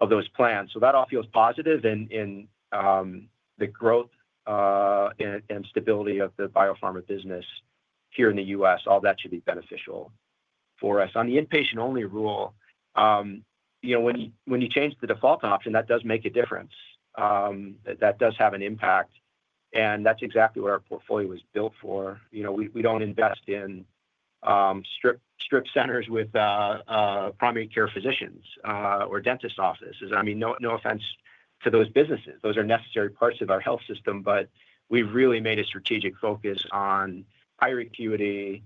of those plans. That all feels positive in the growth and stability of the biopharma business here in the U.S. All that should be beneficial for us. On the inpatient-only rule. When you change the default option, that does make a difference. That does have an impact. That's exactly what our portfolio was built for. We don't invest in strip centers with primary care physicians or dentist offices. I mean, no offense to those businesses. Those are necessary parts of our health system. We've really made a strategic focus on higher acuity,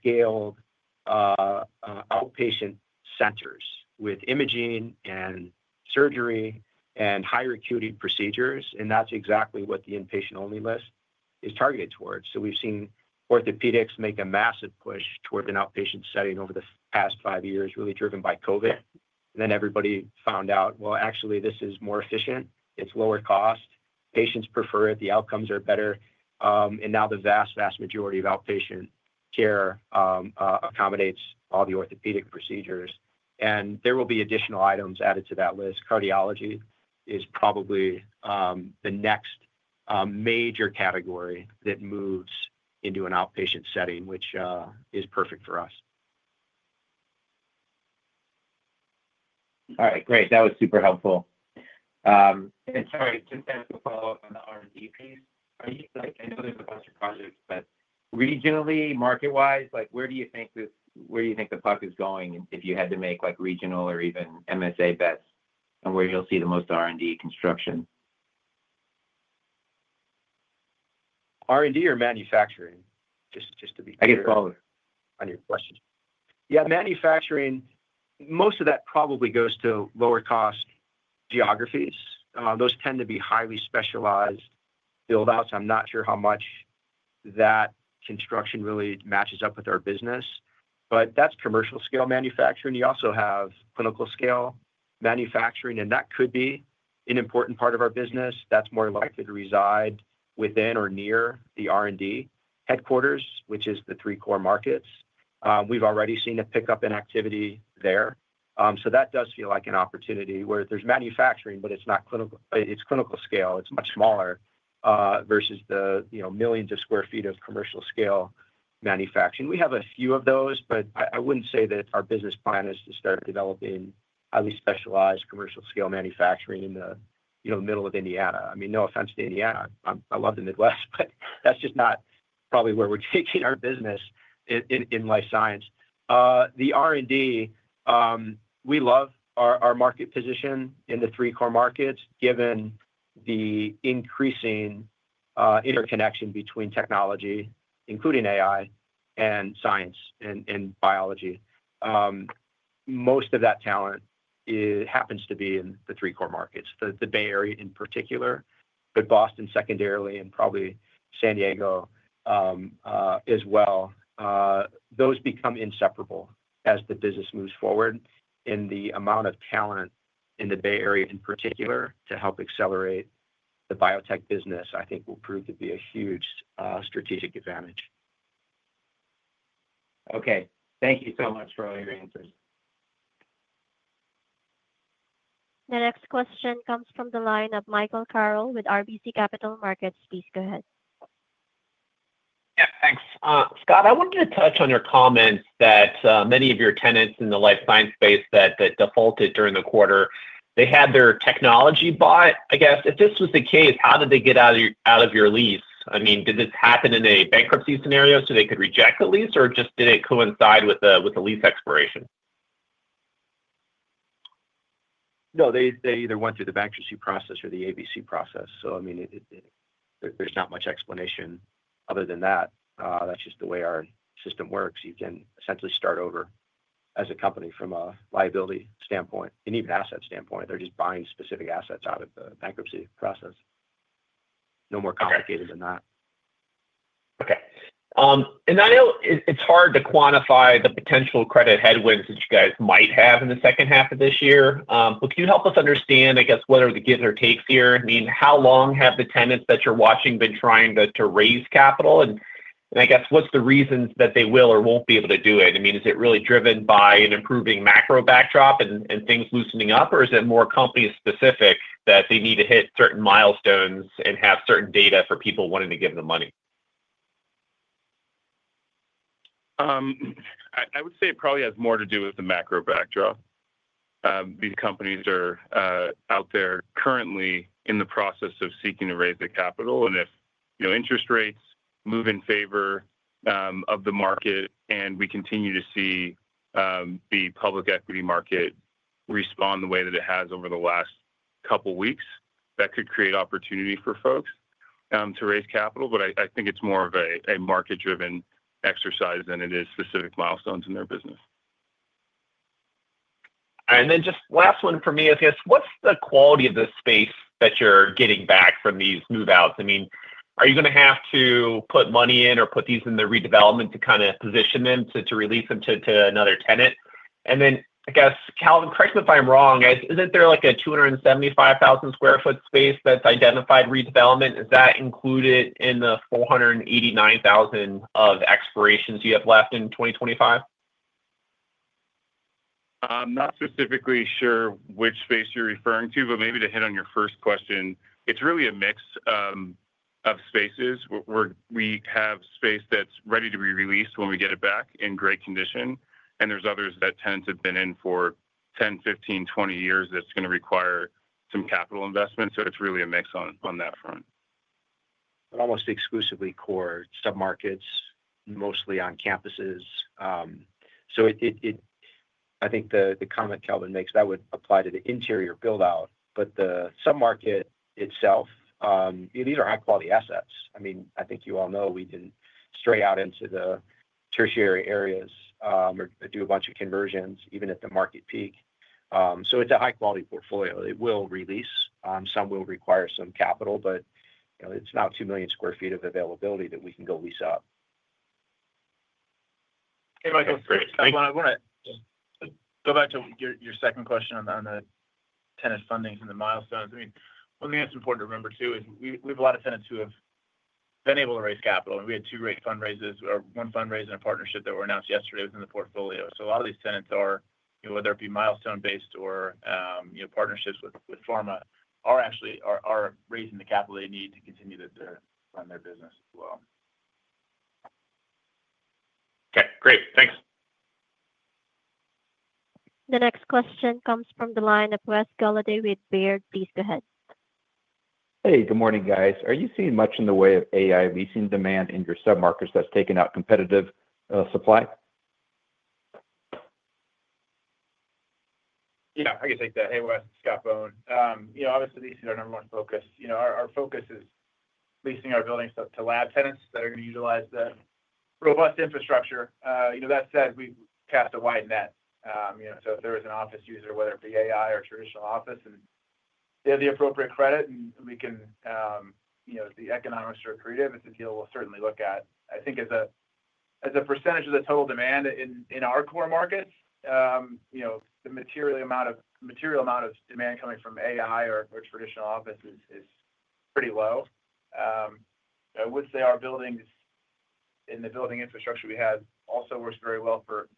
scaled outpatient centers with imaging and surgery and higher acuity procedures. That's exactly what the inpatient-only list is targeted towards. We've seen orthopedics make a massive push toward an outpatient setting over the past five years, really driven by COVID. Then everybody found out, actually, this is more efficient. It's lower cost. Patients prefer it. The outcomes are better. Now the vast, vast majority of outpatient care accommodates all the orthopedic procedures. There will be additional items added to that list. Cardiology is probably the next major category that moves into an outpatient setting, which is perfect for us. All right. Great. That was super helpful. Sorry, just to follow up on the R&D piece, I know there's a bunch of projects, but regionally, market-wise, where do you think the—where do you think the puck is going if you had to make regional or even MSA bets on where you'll see the most R&D construction? R&D or manufacturing, just to be clear. I get followed on your question. Yeah. Manufacturing, most of that probably goes to lower-cost geographies. Those tend to be highly specialized buildouts. I'm not sure how much that construction really matches up with our business. That is commercial-scale manufacturing. You also have clinical-scale manufacturing, and that could be an important part of our business. That is more likely to reside within or near the R&D headquarters, which is the three core markets. We've already seen a pickup in activity there. That does feel like an opportunity where there is manufacturing, but it is clinical scale. It is much smaller versus the millions of square feet of commercial-scale manufacturing. We have a few of those, but I would not say that our business plan is to start developing highly specialized commercial-scale manufacturing in the middle of Indiana. I mean, no offense to Indiana. I love the Midwest, but that is just not probably where we are taking our business. In life science, the R&D, we love our market position in the three core markets, given the increasing interconnection between technology, including AI, and science and biology. Most of that talent happens to be in the three core markets, the Bay Area in particular, but Boston secondarily and probably San Diego as well. Those become inseparable as the business moves forward, and the amount of talent in the Bay Area in particular to help accelerate the biotech business, I think, will prove to be a huge strategic advantage. Okay. Thank you so much for all your answers. The next question comes from the line of Michael Carroll with RBC Capital Markets. Please go ahead. Yeah. Thanks. Scott, I wanted to touch on your comments that many of your tenants in the life science space that defaulted during the quarter, they had their technology bought. I guess, if this was the case, how did they get out of your lease? I mean, did this happen in a bankruptcy scenario so they could reject the lease, or just did it coincide with the lease expiration? No, they either went through the bankruptcy process or the ABC process. I mean, there's not much explanation other than that. That's just the way our system works. You can essentially start over as a company from a liability standpoint and even asset standpoint. They're just buying specific assets out of the bankruptcy process. No more complicated than that. Okay. I know it's hard to quantify the potential credit headwinds that you guys might have in the second half of this year. Can you help us understand, I guess, what are the give or takes here? I mean, how long have the tenants that you're watching been trying to raise capital? I guess, what's the reasons that they will or won't be able to do it? I mean, is it really driven by an improving macro backdrop and things loosening up, or is it more company-specific that they need to hit certain milestones and have certain data for people wanting to give them money? I would say it probably has more to do with the macro backdrop. These companies are out there currently in the process of seeking to raise the capital. If interest rates move in favor of the market and we continue to see the public equity market respond the way that it has over the last couple of weeks, that could create opportunity for folks to raise capital. I think it's more of a market-driven exercise than it is specific milestones in their business. Just last one for me, I guess. What's the quality of the space that you're getting back from these move-outs? I mean, are you going to have to put money in or put these in the redevelopment to kind of position them to release them to another tenant? I guess, Kelvin, correct me if I'm wrong, isn't there like a 275,000 sq ft space that's identified redevelopment? Is that included in the 489,000 of expirations you have left in 2025? I'm not specifically sure which space you're referring to, but maybe to hit on your first question, it's really a mix of spaces. We have space that's ready to be released when we get it back in great condition. And there's others that tend to have been in for 10, 15, 20 years that's going to require some capital investment. So it's really a mix on that front. Almost exclusively core submarkets, mostly on campuses. I think the comment Kelvin makes, that would apply to the interior buildout. The submarket itself, these are high-quality assets. I mean, I think you all know we did not stray out into the tertiary areas or do a bunch of conversions even at the market peak. It is a high-quality portfolio. It will release. Some will require some capital, but it is not 2 million sq ft of availability that we can go lease out. Hey, Michael. Great. I want to go back to your second question on the tenant fundings and the milestones. I mean, one thing that's important to remember too is we have a lot of tenants who have been able to raise capital. And we had two great fundraisers, one fundraiser and a partnership that were announced yesterday within the portfolio. A lot of these tenants are, whether it be milestone-based or partnerships with pharma, are actually raising the capital they need to continue to run their business as well. Okay. Great. Thanks. The next question comes from the line of Wes Golladay with Baird. Please go ahead. Hey, good morning, guys. Are you seeing much in the way of AI leasing demand in your submarkets that's taken out competitive supply? Yeah. I can take that. Hey, Wes, Scott Bohn. Obviously, these are our number one focus. Our focus is leasing our buildings to lab tenants that are going to utilize the robust infrastructure. That said, we cast a wide net. If there was an office user, whether it be AI or traditional office, and they have the appropriate credit and we can, the economics are accretive, it's a deal we'll certainly look at. I think as a percentage of the total demand in our core markets, the material amount of demand coming from AI or traditional offices is pretty low. I would say our buildings and the building infrastructure we have also works very well for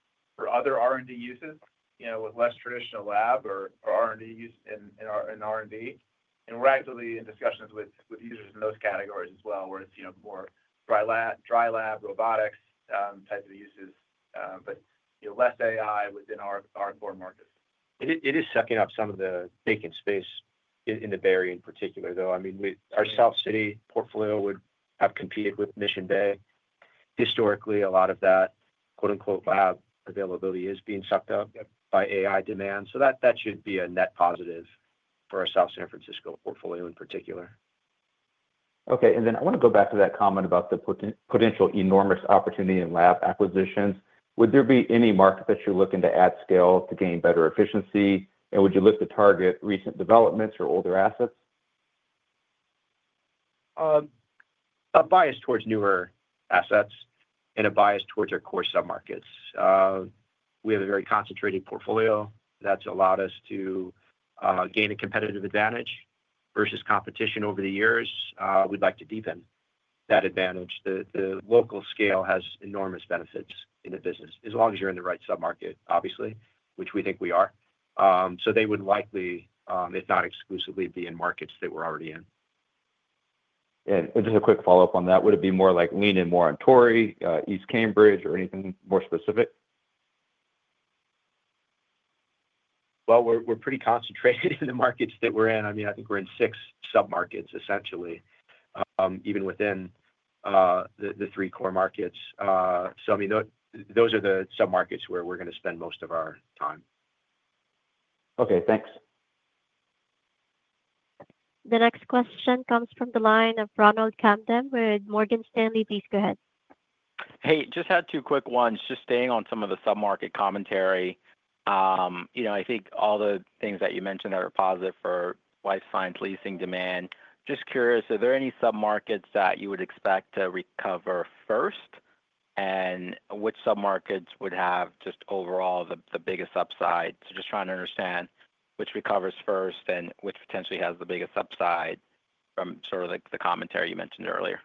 other R&D uses with less traditional lab or R&D use in R&D. We're actively in discussions with users in those categories as well, where it's more dry lab, robotics type of uses, but less AI within our core markets. It is sucking up some of the vacant space in the Bay Area in particular, though. I mean, our South San Francisco portfolio would have competed with Mission Bay. Historically, a lot of that "lab availability" is being sucked up by AI demand. That should be a net positive for our South San Francisco portfolio in particular. Okay. I want to go back to that comment about the potential enormous opportunity in lab acquisitions. Would there be any market that you're looking to add scale to gain better efficiency? Would you look to target recent developments or older assets? A bias towards newer assets and a bias towards our core submarkets. We have a very concentrated portfolio that's allowed us to gain a competitive advantage versus competition over the years. We'd like to deepen that advantage. The local scale has enormous benefits in the business, as long as you're in the right submarket, obviously, which we think we are. They would likely, if not exclusively, be in markets that we're already in. Just a quick follow-up on that. Would it be more like leaning more on Torrey, East Cambridge, or anything more specific? We're pretty concentrated in the markets that we're in. I mean, I think we're in six submarkets, essentially, even within the three core markets. I mean, those are the submarkets where we're going to spend most of our time. Okay. Thanks. The next question comes from the line of Ronald Kamdem with Morgan Stanley. Please go ahead. Hey, just had two quick ones. Just staying on some of the submarket commentary. I think all the things that you mentioned that are positive for life science leasing demand. Just curious, are there any submarkets that you would expect to recover first? Which submarkets would have just overall the biggest upside? Just trying to understand which recovers first and which potentially has the biggest upside from sort of the commentary you mentioned earlier.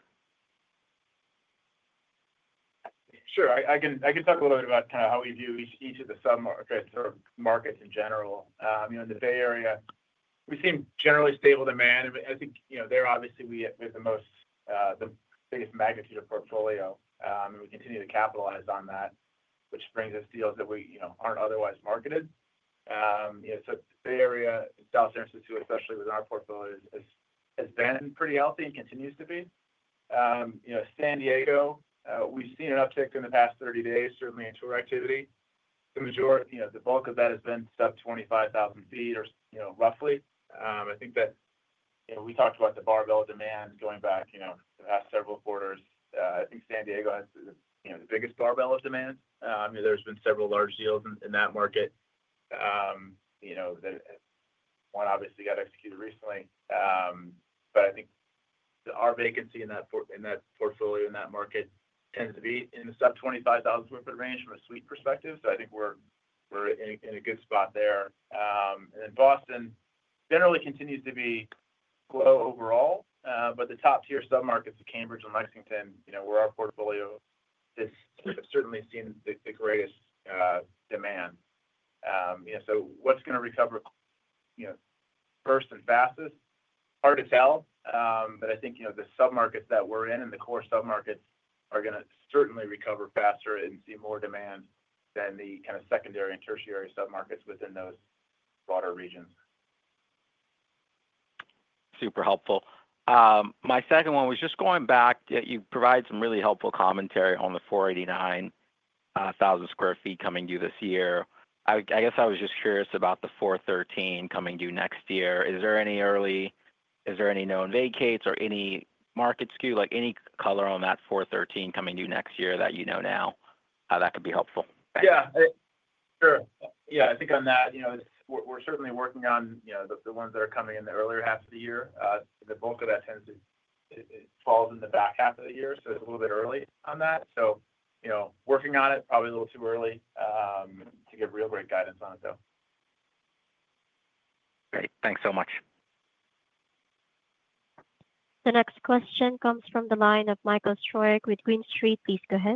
Sure. I can talk a little bit about kind of how we view each of the submarkets in general. In the Bay Area, we've seen generally stable demand. I think there, obviously, we have the most, the biggest magnitude of portfolio. We continue to capitalize on that, which brings us deals that aren't otherwise marketed. The Bay Area, South San Francisco, especially with our portfolio, has been pretty healthy and continues to be. San Diego, we've seen an uptick in the past 30 days, certainly in tour activity. The bulk of that has been sub-25,000 sq ft or roughly. I think that we talked about the barbell demand going back the past several quarters. I think San Diego has the biggest barbell of demand. There's been several large deals in that market. One, obviously, got executed recently. I think our vacancy in that portfolio in that market tends to be in the sub-25,000 sq ft range from a suite perspective. I think we're in a good spot there. Boston generally continues to be low overall. The top-tier submarkets, the Cambridge and Lexington, where our portfolio has certainly seen the greatest demand. What's going to recover first and fastest? Hard to tell. I think the submarkets that we're in and the core submarkets are going to certainly recover faster and see more demand than the kind of secondary and tertiary submarkets within those broader regions. Super helpful. My second one was just going back. You provided some really helpful commentary on the 489,000 sq ft coming due this year. I guess I was just curious about the 413 coming due next year. Is there any early, is there any known vacates or any market skew, like any color on that 413 coming due next year that you know now? That could be helpful. Yeah. Sure. Yeah. I think on that, we're certainly working on the ones that are coming in the earlier half of the year. The bulk of that tends to fall in the back half of the year. It is a little bit early on that. Working on it, probably a little too early to give real great guidance on it, though. Great. Thanks so much. The next question comes from the line of Michael Stroyeck with Green Street. Please go ahead.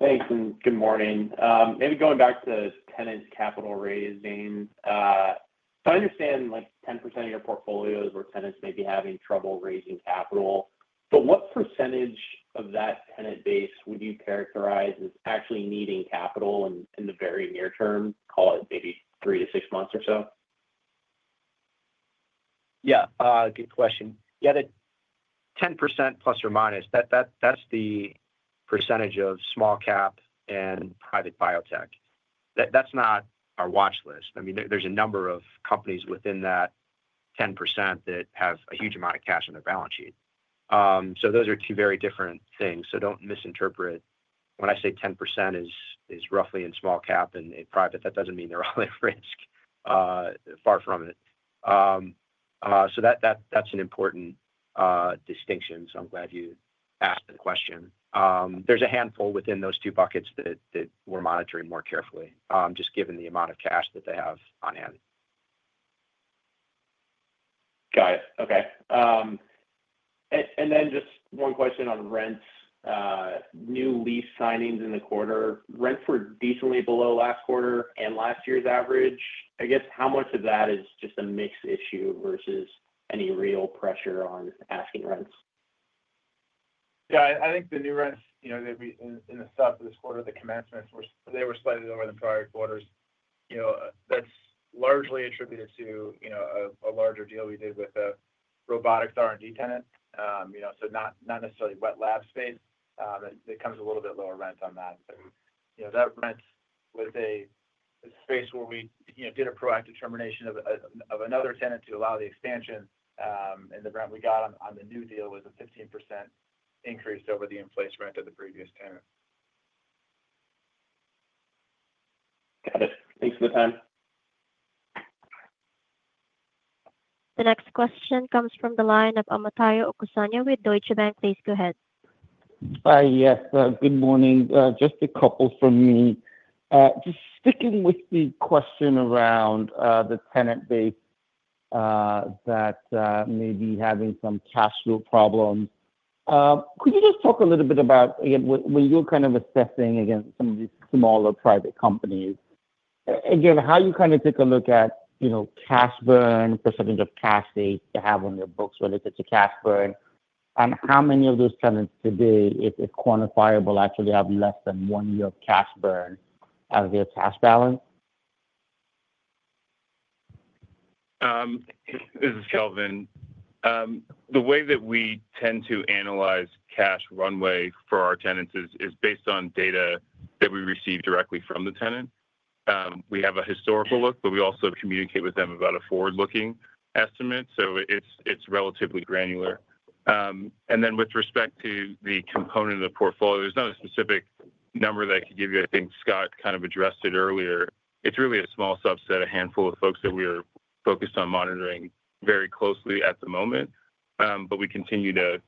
Thanks. Good morning. Maybe going back to tenants' capital raising. I understand 10% of your portfolio is where tenants may be having trouble raising capital. What percentage of that tenant base would you characterize as actually needing capital in the very near term, call it maybe three to six months or so? Yeah. Good question. Yeah, 10%±. That's the percentage of small cap and private biotech. That's not our watch list. I mean, there's a number of companies within that 10% that have a huge amount of cash on their balance sheet. Those are two very different things. Do not misinterpret. When I say 10% is roughly in small cap and private, that does not mean they're all at risk. Far from it. That's an important distinction. I'm glad you asked the question. There's a handful within those two buckets that we're monitoring more carefully, just given the amount of cash that they have on hand. Got it. Okay. And then just one question on rents. New lease signings in the quarter. Rents were decently below last quarter and last year's average. I guess how much of that is just a mix issue versus any real pressure on asking rents? Yeah. I think the new rents, in the sub for this quarter, the commencements, they were slightly lower than prior quarters. That's largely attributed to a larger deal we did with a robotics R&D tenant. So not necessarily wet lab space. That comes a little bit lower rent on that. That rent was a space where we did a proactive termination of another tenant to allow the expansion. And the rent we got on the new deal was a 15% increase over the in-place rent of the previous tenant. Got it. Thanks for the time. The next question comes from the line of Omotayo Okusanya with Deutsche Bank. Please go ahead. Hi. Yes. Good morning. Just a couple from me. Just sticking with the question around the tenant base that may be having some cash flow problems. Could you just talk a little bit about, again, when you're kind of assessing against some of these smaller private companies, again, how you kind of take a look at cash burn, percentage of cash they have on their books related to cash burn? And how many of those tenants today, if quantifiable, actually have less than one year of cash burn as their cash balance? This is Kelvin. The way that we tend to analyze cash runway for our tenants is based on data that we receive directly from the tenant. We have a historical look, but we also communicate with them about a forward-looking estimate. It is relatively granular. With respect to the component of the portfolio, there is not a specific number that I could give you. I think Scott kind of addressed it earlier. It is really a small subset, a handful of folks that we are focused on monitoring very closely at the moment. We continue to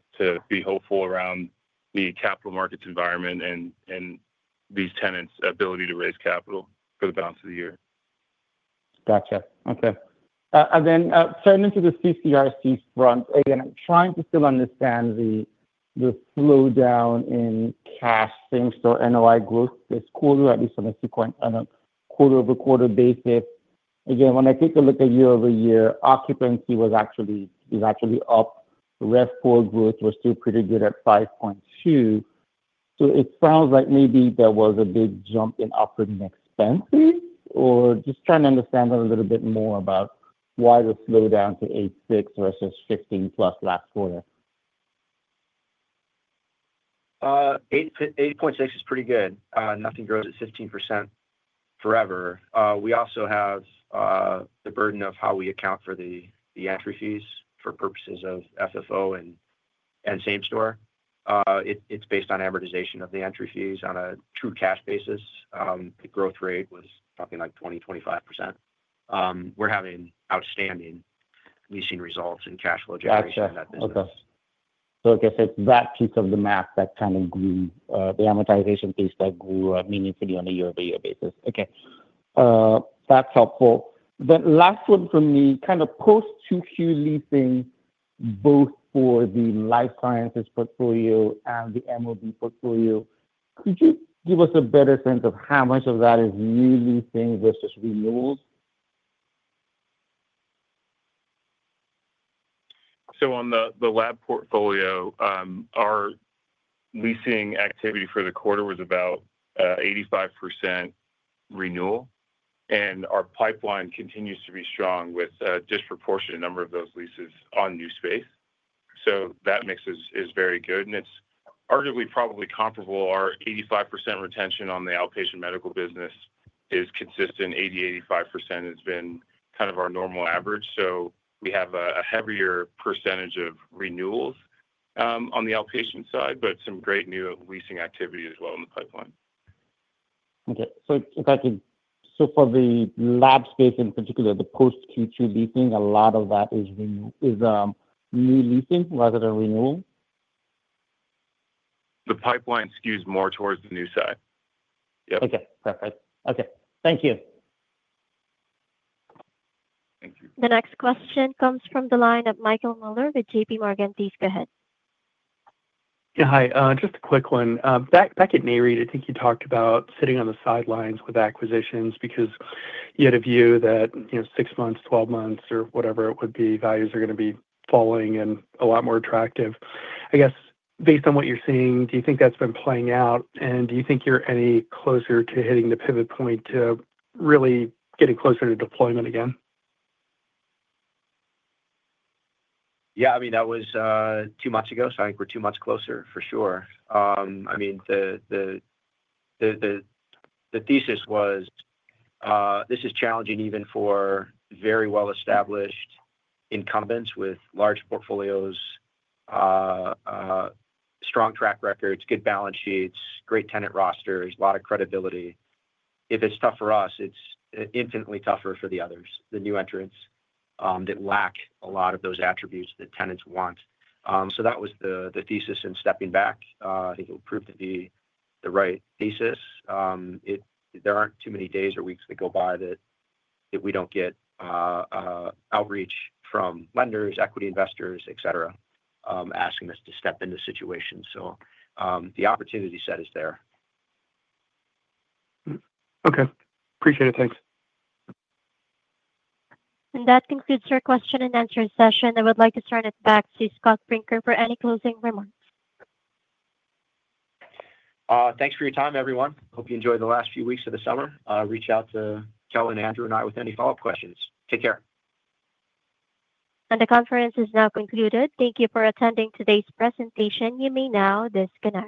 be hopeful around the capital markets environment and these tenants' ability to raise capital for the balance of the year. Gotcha. Okay. Then turning to the CCRC front, again, I'm trying to still understand the slowdown in cash things or NOI growth this quarter, at least on a quarter-over-quarter basis. Again, when I take a look at year-over-year, occupancy was actually up, rent forward growth was still pretty good at 5.2%. It sounds like maybe there was a big jump in upward expenses, or just trying to understand a little bit more about why the slowdown to 8.6% versus 15%+ last quarter. 8.6% is pretty good. Nothing grows at 15% forever. We also have the burden of how we account for the entry fees for purposes of FFO and same-store. It's based on amortization of the entry fees on a true cash basis. The growth rate was something like 20%-25%. We're having outstanding leasing results and cash flow generation in that business. Gotcha. Okay. I guess it is that piece of the map that kind of grew, the amortization piece that grew meaningfully on a year-over-year basis. Okay. That is helpful. The last one for me, kind of post-2Q leasing, both for the life sciences portfolio and the MOB portfolio. Could you give us a better sense of how much of that is new leasing versus renewals? On the lab portfolio, our leasing activity for the quarter was about 85% renewal, and our pipeline continues to be strong with a disproportionate number of those leases on new space. That mix is very good, and it's arguably probably comparable. Our 85% retention on the outpatient medical business is consistent. 80%-85% has been kind of our normal average. We have a heavier percentage of renewals on the outpatient side, but some great new leasing activity as well in the pipeline. Okay. So. For the lab space in particular, the post-Q2 leasing, a lot of that is. New leasing rather than renewal? The pipeline skews more towards the new side. Yep. Okay. Perfect. Okay. Thank you. Thank you. The next question comes from the line of Michael Mueller with JPMorgan. Please go ahead. Yeah. Hi. Just a quick one. Back at Nayrie, I think you talked about sitting on the sidelines with acquisitions because you had a view that 6 months, 12 months, or whatever it would be, values are going to be falling and a lot more attractive. I guess based on what you're seeing, do you think that's been playing out? Do you think you're any closer to hitting the pivot point to really getting closer to deployment again? Yeah. I mean, that was two months ago. I think we're two months closer, for sure. I mean, the thesis was, "This is challenging even for very well-established incumbents with large portfolios, strong track records, good balance sheets, great tenant rosters, a lot of credibility." If it's tough for us, it's infinitely tougher for the new entrants that lack a lot of those attributes that tenants want. That was the thesis in stepping back. I think it proved to be the right thesis. There aren't too many days or weeks that go by that we don't get outreach from lenders, equity investors, etc., asking us to step into situations. The opportunity set is there. Okay. Appreciate it. Thanks. That concludes our question and answer session. I would like to turn it back to Scott Brinker for any closing remarks. Thanks for your time, everyone. Hope you enjoyed the last few weeks of the summer. Reach out to Kelvin, Andrew, and me with any follow-up questions. Take care. The conference is now concluded. Thank you for attending today's presentation. You may now disconnect.